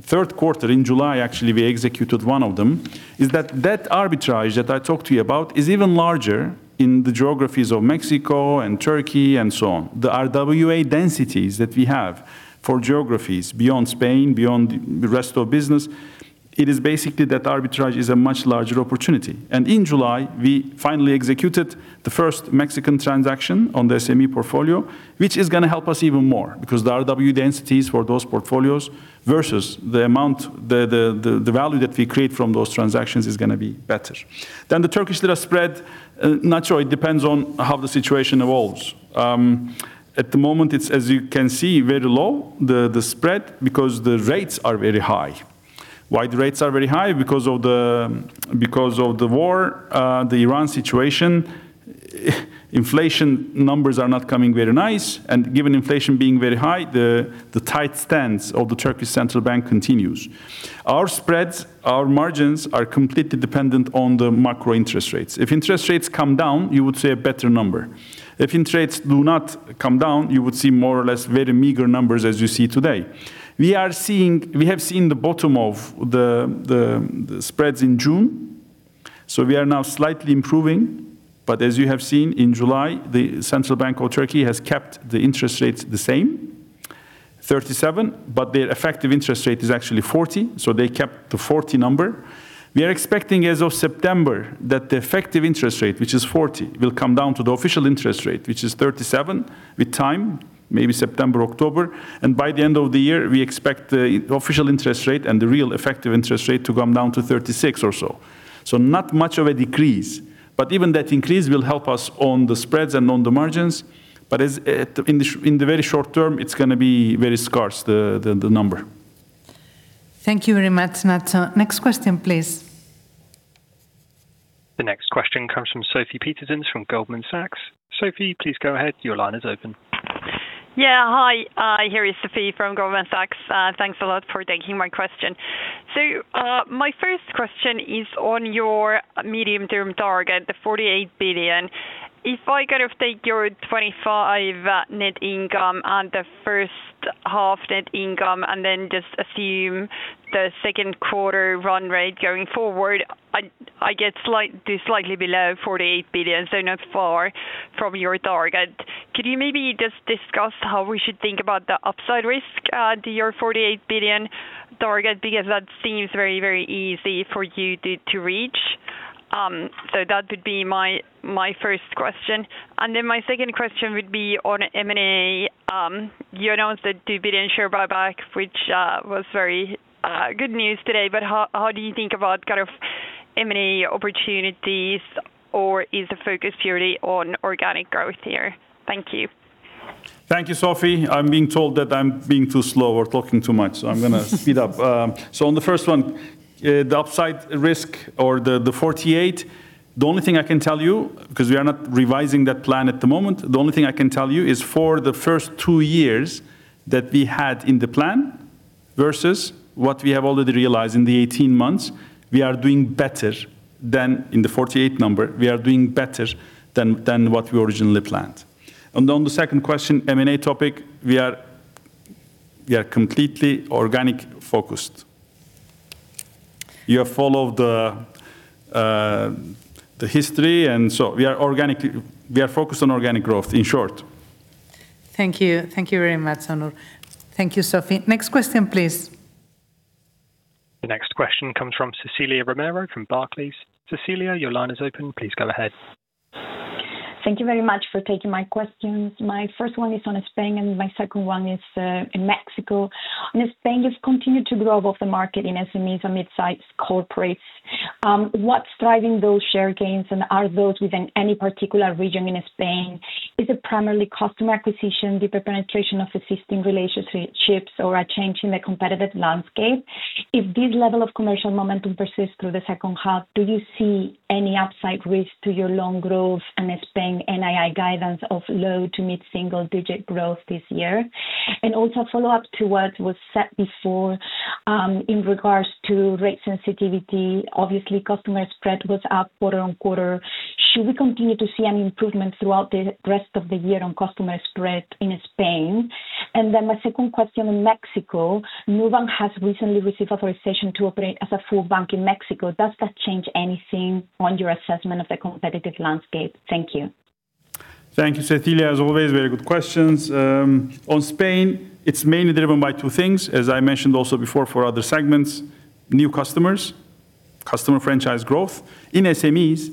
third quarter in July, actually, we executed one of them, is that that arbitrage that I talked to you about is even larger in the geographies of Mexico and Türkiye and so on. The RWA densities that we have for geographies beyond Spain, beyond the rest of business, it is basically that arbitrage is a much larger opportunity. In July, we finally executed the first Mexican transaction on the SME portfolio, which is going to help us even more because the RWA densities for those portfolios versus the value that we create from those transactions is going to be better. The Turkish lira spread, not sure, it depends on how the situation evolves. At the moment, it is as you can see, very low, the spread, because the rates are very high. Why the rates are very high? Because of the war, the Iran situation, inflation numbers are not coming very nice, and given inflation being very high, the tight stance of the Central Bank of the Republic of Türkiye continues. Our spreads, our margins are completely dependent on the macro interest rates. If interest rates come down, you would see a better number. If interest rates do not come down, you would see more or less very meager numbers as you see today. We have seen the bottom of the spreads in June, so we are now slightly improving. As you have seen in July, the Central Bank of the Republic of Türkiye has kept the interest rates the same, 37%, but their effective interest rate is actually 40%, so they kept the 40% number. We are expecting as of September that the effective interest rate, which is 40%, will come down to the official interest rate, which is 37%, with time, maybe September, October, and by the end of the year, we expect the official interest rate and the real effective interest rate to come down to 36% or so. Not much of a decrease, but even that increase will help us on the spreads and on the margins. In the very short term, it's going to be very scarce, the number. Thank you very much. Next question, please. The next question comes from Sofie Peterzéns from Goldman Sachs. Sofie, please go ahead. Your line is open. Hi, here is Sofie from Goldman Sachs. Thanks a lot for taking my question. My first question is on your medium-term target, the 48 billion. If I take your 25 net income and the first half net income, just assume the second quarter run rate going forward, I get slightly below 48 billion, so not far from your target. Could you maybe just discuss how we should think about the upside risk to your 48 billion target? Because that seems very easy for you to reach. That would be my first question. My second question would be on M&A. You announced the dividend share buyback, which was very good news today. How do you think about M&A opportunities, or is the focus purely on organic growth here? Thank you. Thank you, Sofie. I'm being told that I'm being too slow or talking too much. I'm going to speed up. On the first one, the upside risk or the 48, the only thing I can tell you, because we are not revising that plan at the moment, the only thing I can tell you is for the first two years that we had in the plan versus what we have already realized in the 18 months, we are doing better than in the 48 number. We are doing better than what we originally planned. On the second question, M&A topic, we are completely organic-focused. You have followed the history. We are focused on organic growth, in short. Thank you. Thank you very much, Onur. Thank you, Sofie. Next question, please. The next question comes from Cecilia Romero from Barclays. Cecilia, your line is open. Please go ahead. Thank you very much for taking my questions. My first one is on Spain. My second one is in Mexico. In Spain, you've continued to grow both the market in SMEs and mid-size corporates. What's driving those share gains? Are those within any particular region in Spain? Is it primarily customer acquisition, deeper penetration of existing relationships, or a change in the competitive landscape? If this level of commercial momentum persists through the second half, do you see any upside risk to your loan growth and the Spain NII guidance of low to mid-single digit growth this year? Also, follow up to what was set before in regards to rate sensitivity. Obviously, customer spread was up quarter-on-quarter. Should we continue to see any improvements throughout the rest of the year on customer spread in Spain? My second question on Mexico. Nubank has recently received authorization to operate as a full bank in Mexico. Does that change anything on your assessment of the competitive landscape? Thank you. Thank you, Cecilia. As always, very good questions. On Spain, it's mainly driven by two things, as I mentioned also before for other segments, new customers, customer franchise growth. In SMEs,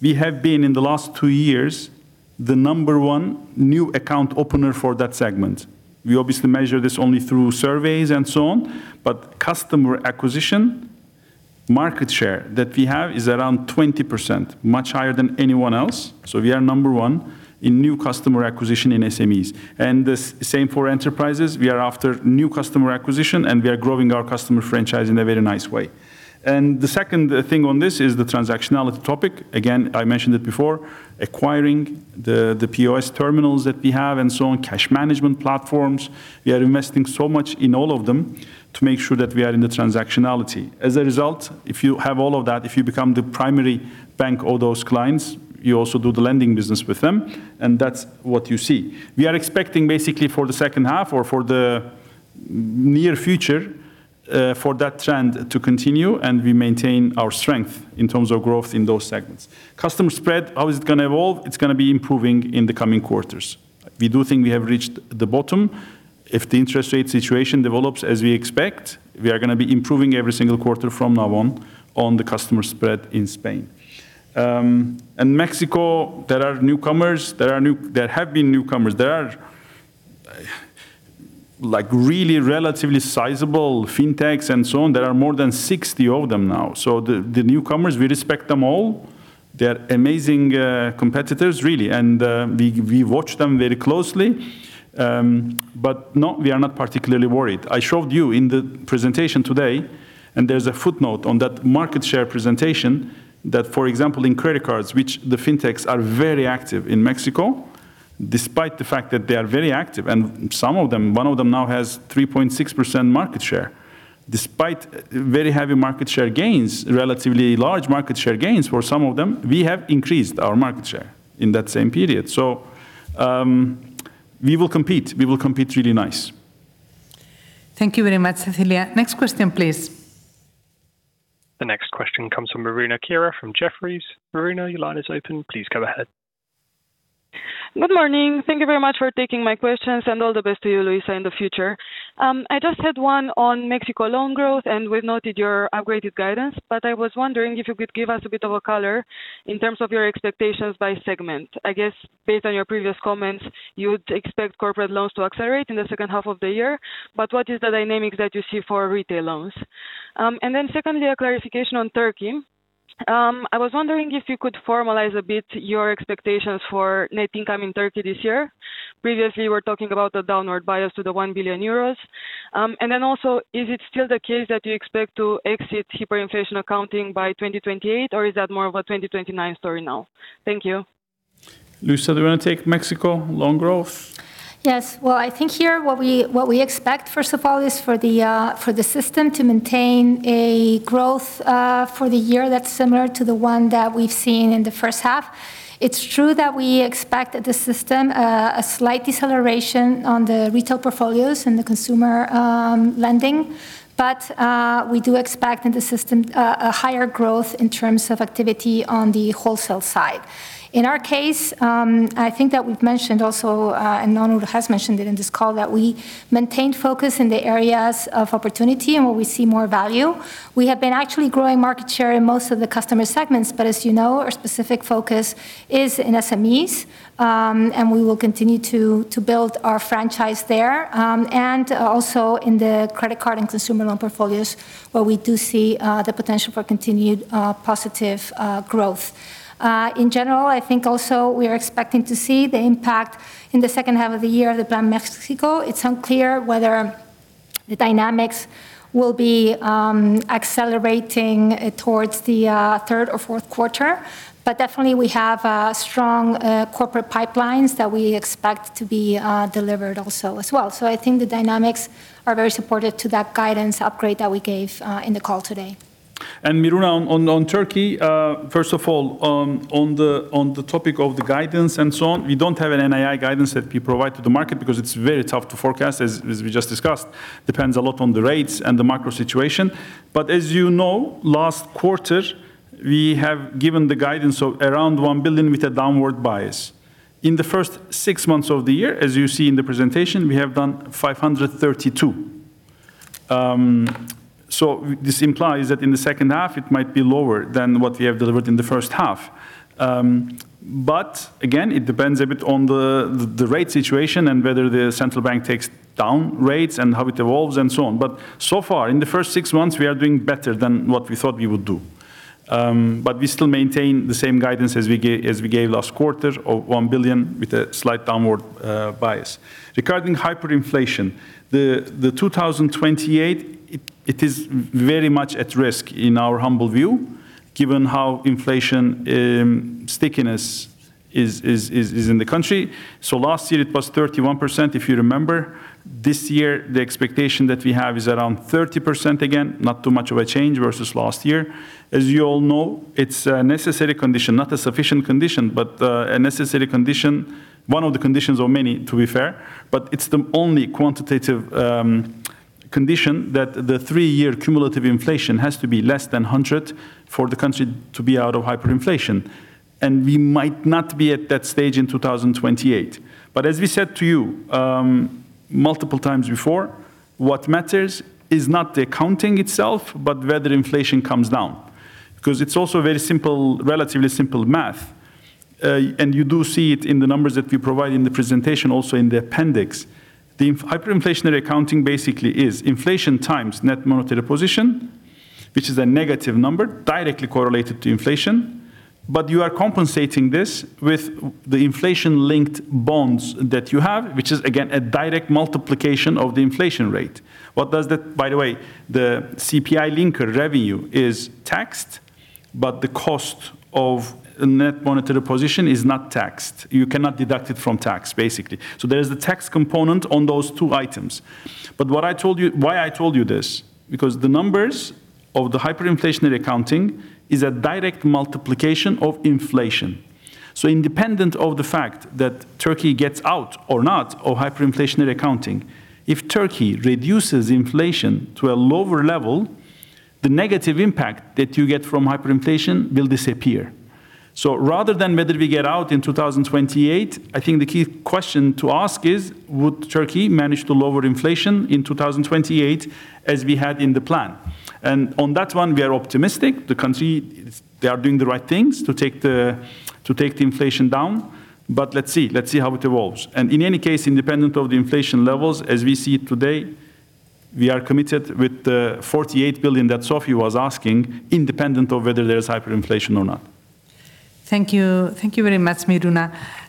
we have been, in the last two years, the number one new account opener for that segment. We obviously measure this only through surveys and so on. Customer acquisition market share that we have is around 20%, much higher than anyone else. We are number one in new customer acquisition in SMEs. The same for enterprises, we are after new customer acquisition, and we are growing our customer franchise in a very nice way. The second thing on this is the transactionality topic. Again, I mentioned it before, acquiring the POS terminals that we have and so on, cash management platforms. We are investing so much in all of them to make sure that we are in the transactionality. As a result, if you have all of that, if you become the primary bank of those clients, you also do the lending business with them, and that's what you see. We are expecting basically for the second half or for the near future for that trend to continue, and we maintain our strength in terms of growth in those segments. Customer spread, how is it going to evolve? It's going to be improving in the coming quarters. We do think we have reached the bottom. If the interest rate situation develops as we expect, we are going to be improving every single quarter from now on the customer spread in Spain. In Mexico, there have been newcomers. There are really relatively sizable fintechs and so on. There are more than 60 of them now. The newcomers, we respect them all. They're amazing competitors, really. We watch them very closely, but we are not particularly worried. I showed you in the presentation today, there's a footnote on that market share presentation that, for example, in credit cards, which the fintechs are very active in Mexico, despite the fact that they are very active, and one of them now has 3.6% market share. Despite very heavy market share gains, relatively large market share gains for some of them, we have increased our market share in that same period. We will compete. We will compete really nice. Thank you very much, Cecilia. Next question, please. The next question comes from Miruna Chirea from Jefferies. Miruna, your line is open. Please go ahead. Good morning. Thank you very much for taking my questions, all the best to you, Luisa, in the future. I just had one on Mexico loan growth, we've noted your upgraded guidance, I was wondering if you could give us a bit of a color in terms of your expectations by segment. I guess based on your previous comments, you would expect corporate loans to accelerate in the second half of the year, what is the dynamics that you see for retail loans? Secondly, a clarification on Türkiye. I was wondering if you could formalize a bit your expectations for net income in Türkiye this year. Previously, we're talking about a downward bias to the 1 billion euros. Also, is it still the case that you expect to exit hyperinflation accounting by 2028, or is that more of a 2029 story now? Thank you. Luisa, do you want to take Mexico loan growth? Yes. Well, I think here what we expect, first of all, is for the system to maintain a growth for the year that's similar to the one that we've seen in the first half. We do expect that the system, a slight deceleration on the retail portfolios and the consumer lending. We do expect in the system a higher growth in terms of activity on the wholesale side. In our case, I think that we've mentioned also, and Onur has mentioned it in this call, that we maintain focus in the areas of opportunity and where we see more value. We have been actually growing market share in most of the customer segments, as you know, our specific focus is in SMEs, we will continue to build our franchise there, also in the credit card and consumer loan portfolios, where we do see the potential for continued positive growth. In general, I think also we are expecting to see the impact in the second half of the year, the Banxico. It's unclear whether the dynamics will be accelerating towards the third or fourth quarter, definitely we have strong corporate pipelines that we expect to be delivered as well. I think the dynamics are very supportive to that guidance upgrade that we gave in the call today. Miruna, on Türkiye, first of all, on the topic of the guidance and so on, we don't have an NII guidance that we provide to the market because it's very tough to forecast, as we just discussed. Depends a lot on the rates and the micro situation. As you know, last quarter, we have given the guidance of around 1 billion with a downward bias. In the first six months of the year, as you see in the presentation, we have done 532 million. This implies that in the second half it might be lower than what we have delivered in the first half. Again, it depends a bit on the rate situation and whether the central bank takes down rates and how it evolves and so on. So far, in the first six months, we are doing better than what we thought we would do. We still maintain the same guidance as we gave last quarter of 1 billion with a slight downward bias. Regarding hyperinflation, the 2028, it is very much at risk in our humble view, given how inflation stickiness is in the country. Last year it was 31%, if you remember. This year, the expectation that we have is around 30% again, not too much of a change versus last year. You all know, it's a necessary condition, not a sufficient condition, but a necessary condition. One of the conditions of many, to be fair, but it's the only quantitative condition that the three-year cumulative inflation has to be less than 100% for the country to be out of hyperinflation. We might not be at that stage in 2028. As we said to you multiple times before, what matters is not the accounting itself, but whether inflation comes down, because it's also very simple, relatively simple math. You do see it in the numbers that we provide in the presentation also in the appendix. The hyperinflationary accounting basically is inflation times net monetary position, which is a negative number directly correlated to inflation. You are compensating this with the inflation-linked bonds that you have, which is again, a direct multiplication of the inflation rate. By the way, the CPI linker revenue is taxed, but the cost of net monetary position is not taxed. You cannot deduct it from tax, basically. There is a tax component on those two items. Why I told you this, because the numbers of the hyperinflationary accounting is a direct multiplication of inflation. Independent of the fact that Türkiye gets out or not of hyperinflationary accounting, if Türkiye reduces inflation to a lower level, the negative impact that you get from hyperinflation will disappear. Rather than whether we get out in 2028, I think the key question to ask is, would Türkiye manage to lower inflation in 2028 as we had in the plan? On that one, we are optimistic. The country, they are doing the right things to take the inflation down. Let's see how it evolves. In any case, independent of the inflation levels as we see it today, we are committed with the 48 billion that Sofie was asking, independent of whether there is hyperinflation or not. Thank you. Thank you very much, Miruna.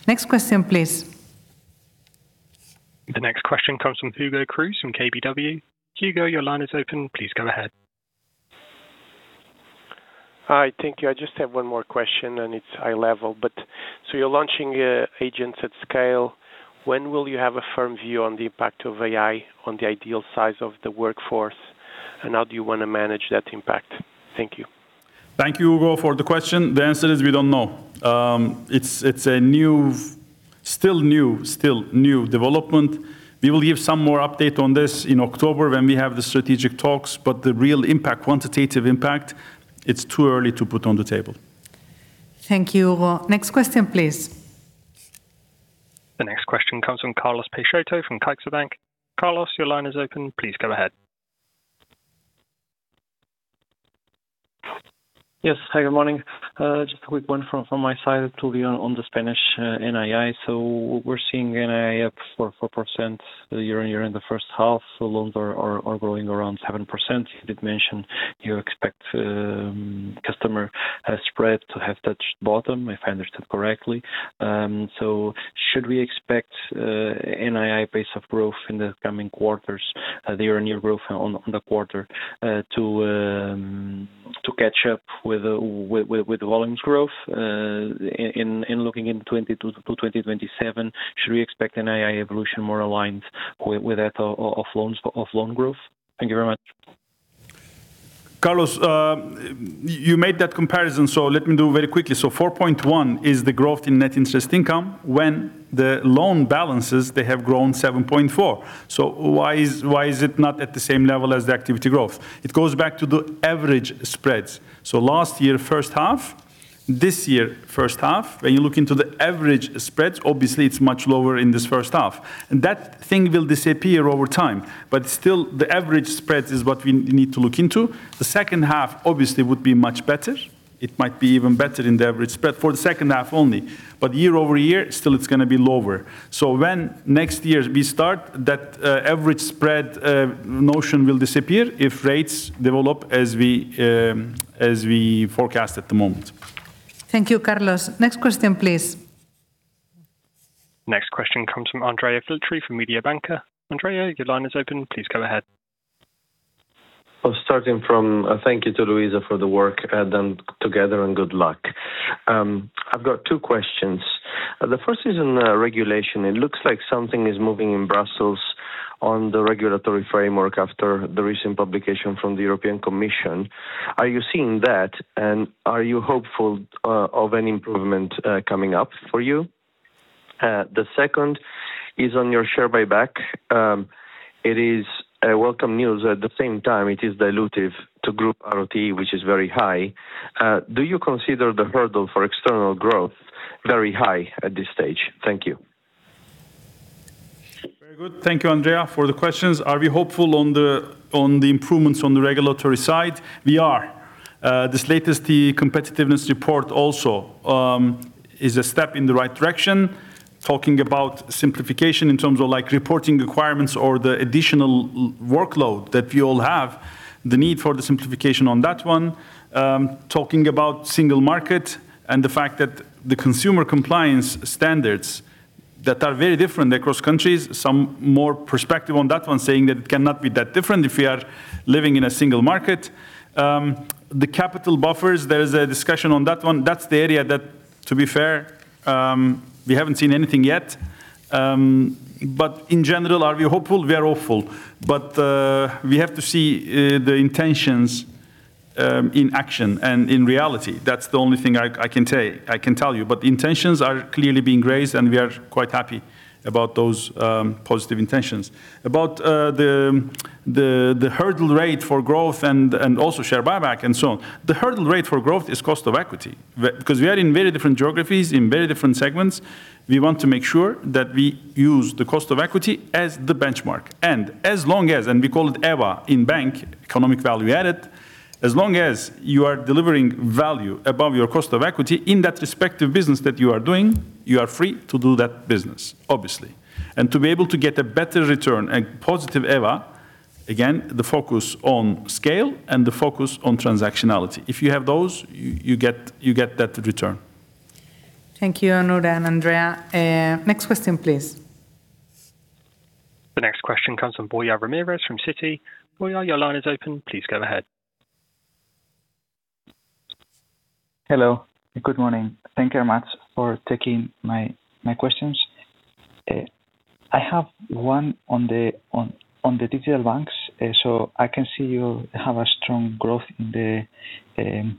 Next question, please. The next question comes from Hugo Cruz from KBW. Hugo, your line is open. Please go ahead. Hi. Thank you. I just have one more question, and it's high level. You're launching agents at scale. When will you have a firm view on the impact of AI on the ideal size of the workforce, and how do you want to manage that impact? Thank you. Thank you, Hugo, for the question. The answer is we don't know. It's a still new development. We will give some more update on this in October when we have the strategic talks, but the real impact, quantitative impact, it's too early to put on the table. Thank you, Hugo. Next question, please. The next question comes from Carlos Peixoto from CaixaBank. Carlos, your line is open. Please go ahead. Yes. Hi, good morning. Just a quick one from my side to Onur on the Spanish NII. We're seeing NII up 4% year-over-year in the first half. Loans are growing around 7%. You did mention you expect customer spread to have touched bottom, if I understood correctly. Should we expect NII pace of growth in the coming quarters, the year-over-year growth on the quarter, to catch up with volumes growth? In looking into 2026-2027, should we expect NII evolution more aligned with that of loan growth? Thank you very much. Carlos, you made that comparison, let me do very quickly. 4.1% is the growth in Net Interest Income when the loan balances, they have grown 7.4%. Why is it not at the same level as the activity growth? It goes back to the average spreads. Last year first half, this year first half, when you look into the average spreads, obviously it's much lower in this first half, and that thing will disappear over time. Still, the average spread is what we need to look into. The second half, obviously, would be much better. It might be even better in the average spread for the second half only, but year-over-year, still it's going to be lower. When next year we start, that average spread notion will disappear if rates develop as we forecast at the moment. Thank you, Carlos. Next question, please. Next question comes from Andrea Filtri from Mediobanca. Andrea, your line is open. Please go ahead. I'm starting from a thank you to Luisa for the work done together. Good luck. I've got two questions. The first is on regulation. It looks like something is moving in Brussels on the regulatory framework after the recent publication from the European Commission. Are you seeing that, and are you hopeful of an improvement coming up for you? The second is on your share buyback. It is welcome news. At the same time, it is dilutive to group ROTE, which is very high. Do you consider the hurdle for external growth very high at this stage? Thank you. Thank you, Andrea, for the questions. Are we hopeful on the improvements on the regulatory side? We are. This latest, the competitiveness report also is a step in the right direction, talking about simplification in terms of reporting requirements or the additional workload that we all have, the need for the simplification on that one. Talking about single market and the fact that the consumer compliance standards that are very different across countries, some more perspective on that one, saying that it cannot be that different if we are living in a single market. The capital buffers, there's a discussion on that one. That's the area that, to be fair, we haven't seen anything yet. In general, are we hopeful? We are hopeful. We have to see the intentions in action and in reality. That's the only thing I can tell you. The intentions are clearly being raised, and we are quite happy about those positive intentions. About the hurdle rate for growth and also share buyback and so on. The hurdle rate for growth is cost of equity. We are in very different geographies, in very different segments, we want to make sure that we use the cost of equity as the benchmark. We call it EVA in bank, economic value added, as long as you are delivering value above your cost of equity in that respective business that you are doing, you are free to do that business, obviously. To be able to get a better return, a positive EVA, again, the focus on scale and the focus on transactionality. If you have those, you get that return. Thank you, Onur and Andrea. Next question, please. The next question comes from Borja Ramirez from Citi. Borja, your line is open. Please go ahead. Hello. Good morning. Thank you very much for taking my questions. I have one on the digital banks. I can see you have a strong growth in the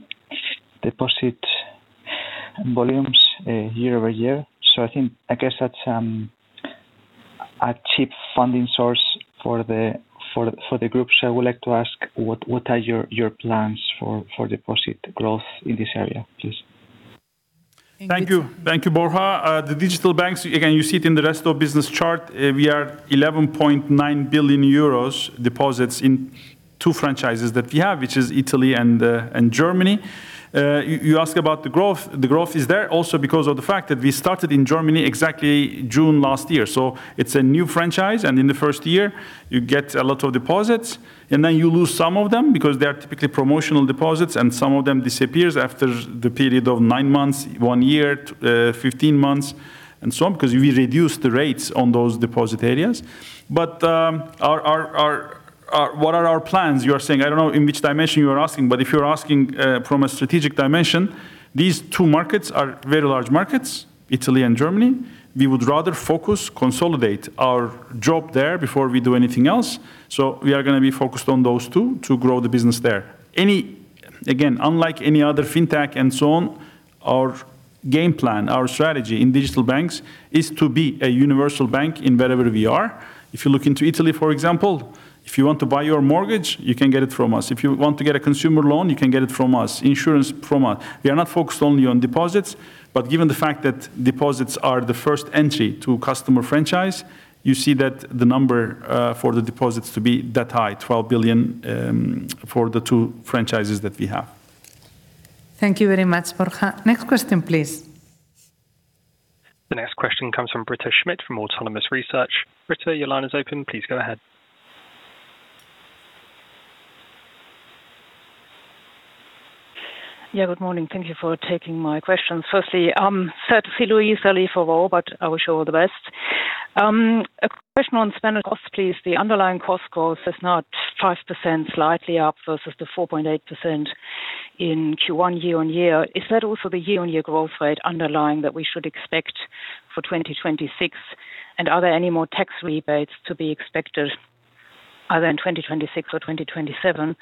deposit volumes year-over-year. I guess that's a cheap funding source for the group. I would like to ask, what are your plans for deposit growth in this area, please? Thank you, Borja. The digital banks, again, you see it in the rest of business chart. We are 11.9 billion euros deposits in two franchises that we have, which is Italy and Germany. You ask about the growth. The growth is there also because of the fact that we started in Germany exactly June last year. It's a new franchise, and in the first year you get a lot of deposits, and then you lose some of them because they are typically promotional deposits, and some of them disappears after the period of nine months, one year, 15 months, and so on, because we reduce the rates on those deposit areas. What are our plans? I don't know in which dimension you are asking. If you're asking from a strategic dimension, these two markets are very large markets, Italy and Germany. We would rather focus, consolidate our job there before we do anything else. We are going to be focused on those two to grow the business there. Again, unlike any other fintech and so on, our game plan, our strategy in digital banks is to be a universal bank in wherever we are. If you look into Italy, for example, if you want to buy your mortgage, you can get it from us. If you want to get a consumer loan, you can get it from us. Insurance from us. We are not focused only on deposits, but given the fact that deposits are the first entry to customer franchise, you see that the number for the deposits to be that high, 12 billion, for the two franchises that we have. Thank you very much, Borja. Next question, please. The next question comes from Britta Schmidt from Autonomous Research. Britta, your line is open. Please go ahead. Yeah, good morning. Thank you for taking my questions. Firstly, sad to see Luisa leave overall, but I wish her all the best. A question on spend cost, please. The underlying cost growth is now 5% slightly up versus the 4.8% in Q1 year-on-year. Is that also the year-on-year growth rate underlying that we should expect for 2026? Are there any more tax rebates to be expected either in 2026 or 2027?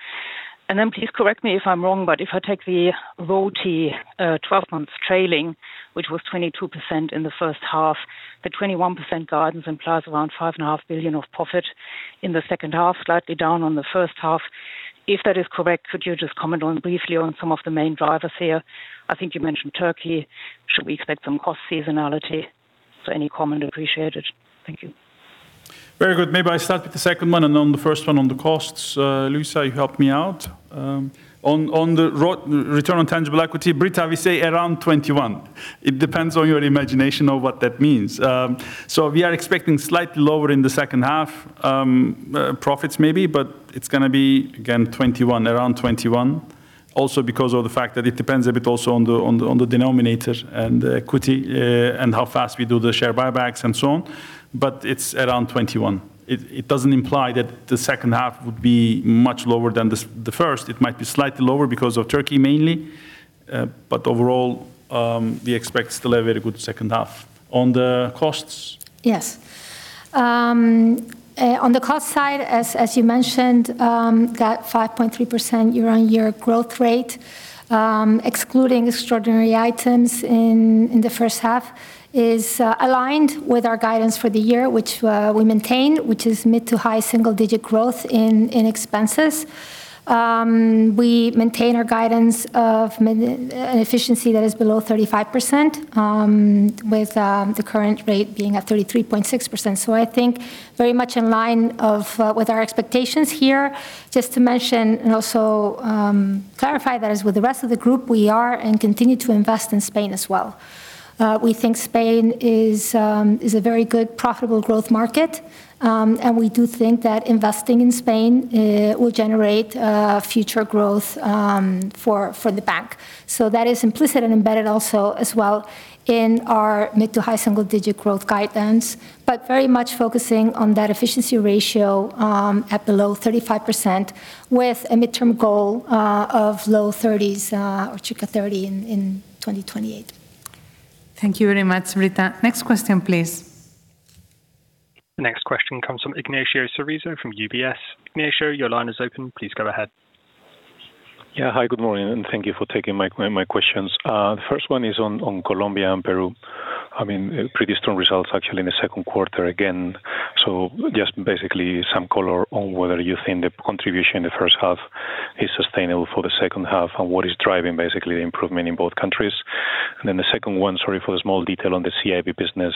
Please correct me if I'm wrong, but if I take the ROTE 12 months trailing, which was 22% in the first half, the 21% guidance implies around 5.5 billion of profit in the second half, slightly down on the first half. If that is correct, could you just comment briefly on some of the main drivers here? I think you mentioned Türkiye. Should we expect some cost seasonality? Any comment appreciated. Thank you. Very good. Maybe I start with the second one and on the first one on the costs, Luisa, you help me out. On the return on tangible equity, Britta, we say around 21%. It depends on your imagination of what that means. We are expecting slightly lower in the second half, profits maybe, but it's going to be, again, 21%, around 21%. Also because of the fact that it depends a bit also on the denominator and equity, and how fast we do the share buybacks and so on. It's around 21%. It doesn't imply that the second half would be much lower than the first. It might be slightly lower because of Türkiye mainly. Overall, we expect still a very good second half. On the costs? Yes. On the cost side, as you mentioned, that 5.3% year-on-year growth rate, excluding extraordinary items in the first half is aligned with our guidance for the year, which we maintain, which is mid to high single-digit growth in expenses. We maintain our guidance of an efficiency that is below 35%, with the current rate being at 33.6%. I think very much in line with our expectations here. Just to mention and also clarify that as with the rest of the group, we are and continue to invest in Spain as well. We think Spain is a very good, profitable growth market. We do think that investing in Spain will generate future growth for the bank. That is implicit and embedded also as well in our mid to high single-digit growth guidance, but very much focusing on that efficiency ratio at below 35% with a midterm goal of low thirties, or check a 30 in 2028. Thank you very much, Britta. Next question, please. The next question comes from Ignacio Cerezo from UBS. Ignacio, your line is open. Please go ahead. Yeah. Hi, good morning, thank you for taking my questions. The first one is on Colombia and Peru. Pretty strong results actually in the second quarter again. Just basically some color on whether you think the contribution in the first half is sustainable for the second half and what is driving basically the improvement in both countries. The second one, sorry for the small detail on the CIB business.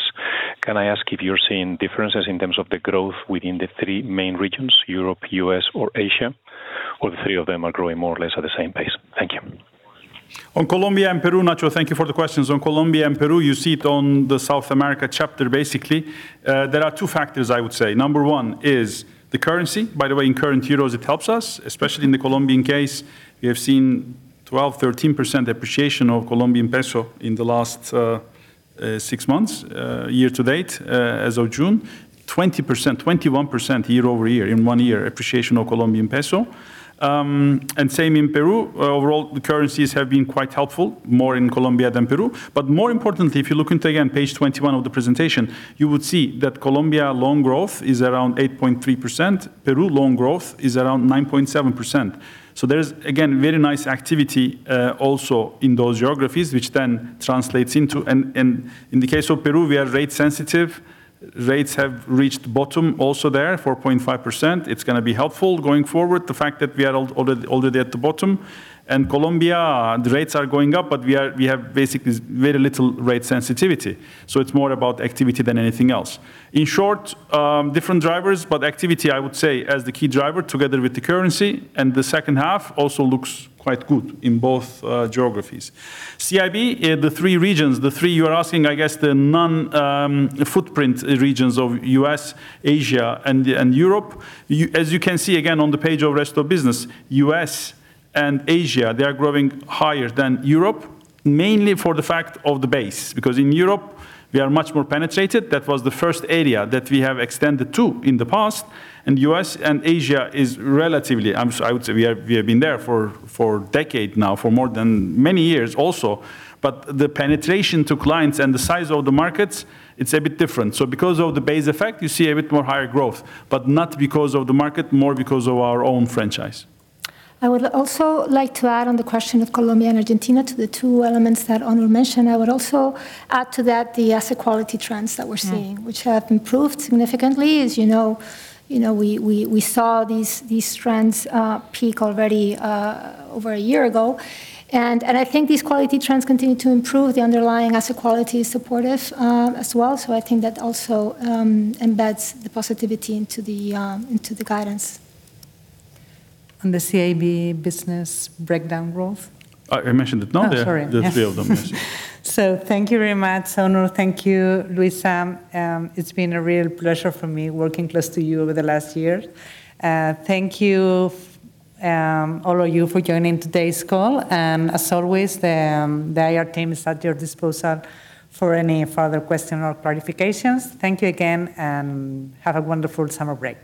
Can I ask if you're seeing differences in terms of the growth within the three main regions, Europe, U.S., or Asia? The three of them are growing more or less at the same pace? Thank you. On Colombia and Peru, Ignacio, thank you for the questions. On Colombia and Peru, you see it on the South America chapter, basically. There are two factors, I would say. Number one is the currency. By the way, in current EUR it helps us, especially in the Colombian case. We have seen 12%-13% appreciation of Colombian peso in the last six months. Year to date, as of June, 20%-21% year-over-year, in one year, appreciation of Colombian peso. Same in Peru. Overall, the currencies have been quite helpful, more in Colombia than Peru. More importantly, if you look into, again, page 21 of the presentation, you would see that Colombia loan growth is around 8.3%. Peru loan growth is around 9.7%. There's, again, very nice activity also in those geographies, which then translates into, and in the case of Peru, we are rate sensitive. Rates have reached bottom also there, 4.5%. It's going to be helpful going forward, the fact that we are already at the bottom. Colombia, the rates are going up, but we have basically very little rate sensitivity. It's more about activity than anything else. In short, different drivers, but activity, I would say, as the key driver together with the currency, and the second half also looks quite good in both geographies. CIB, the three regions, the three you are asking, I guess the non-footprint regions of U.S., Asia, and Europe. As you can see again on the page of rest of business, U.S. and Asia, they are growing higher than Europe, mainly for the fact of the base. Because in Europe, we are much more penetrated. That was the first area that we have extended to in the past. U.S. and Asia is relatively, I would say we have been there for decade now, for more than many years also. The penetration to clients and the size of the markets, it's a bit different. Because of the base effect, you see a bit more higher growth, but not because of the market, more because of our own franchise. I would also like to add on the question of Colombia and Argentina to the two elements that Onur mentioned. I would also add to that the asset quality trends that we're seeing, which have improved significantly. As you know, we saw these trends peak already over a year ago. I think these quality trends continue to improve. The underlying asset quality is supportive as well. I think that also embeds the positivity into the guidance. On the CIB business breakdown growth? I mentioned it now there. Oh, sorry. Yes. The three of them, yes. Thank you very much, Onur. Thank you, Luisa. It's been a real pleasure for me working close to you over the last year. Thank you, all of you, for joining today's call. As always, the IR team is at your disposal for any further question or clarifications. Thank you again, and have a wonderful summer break.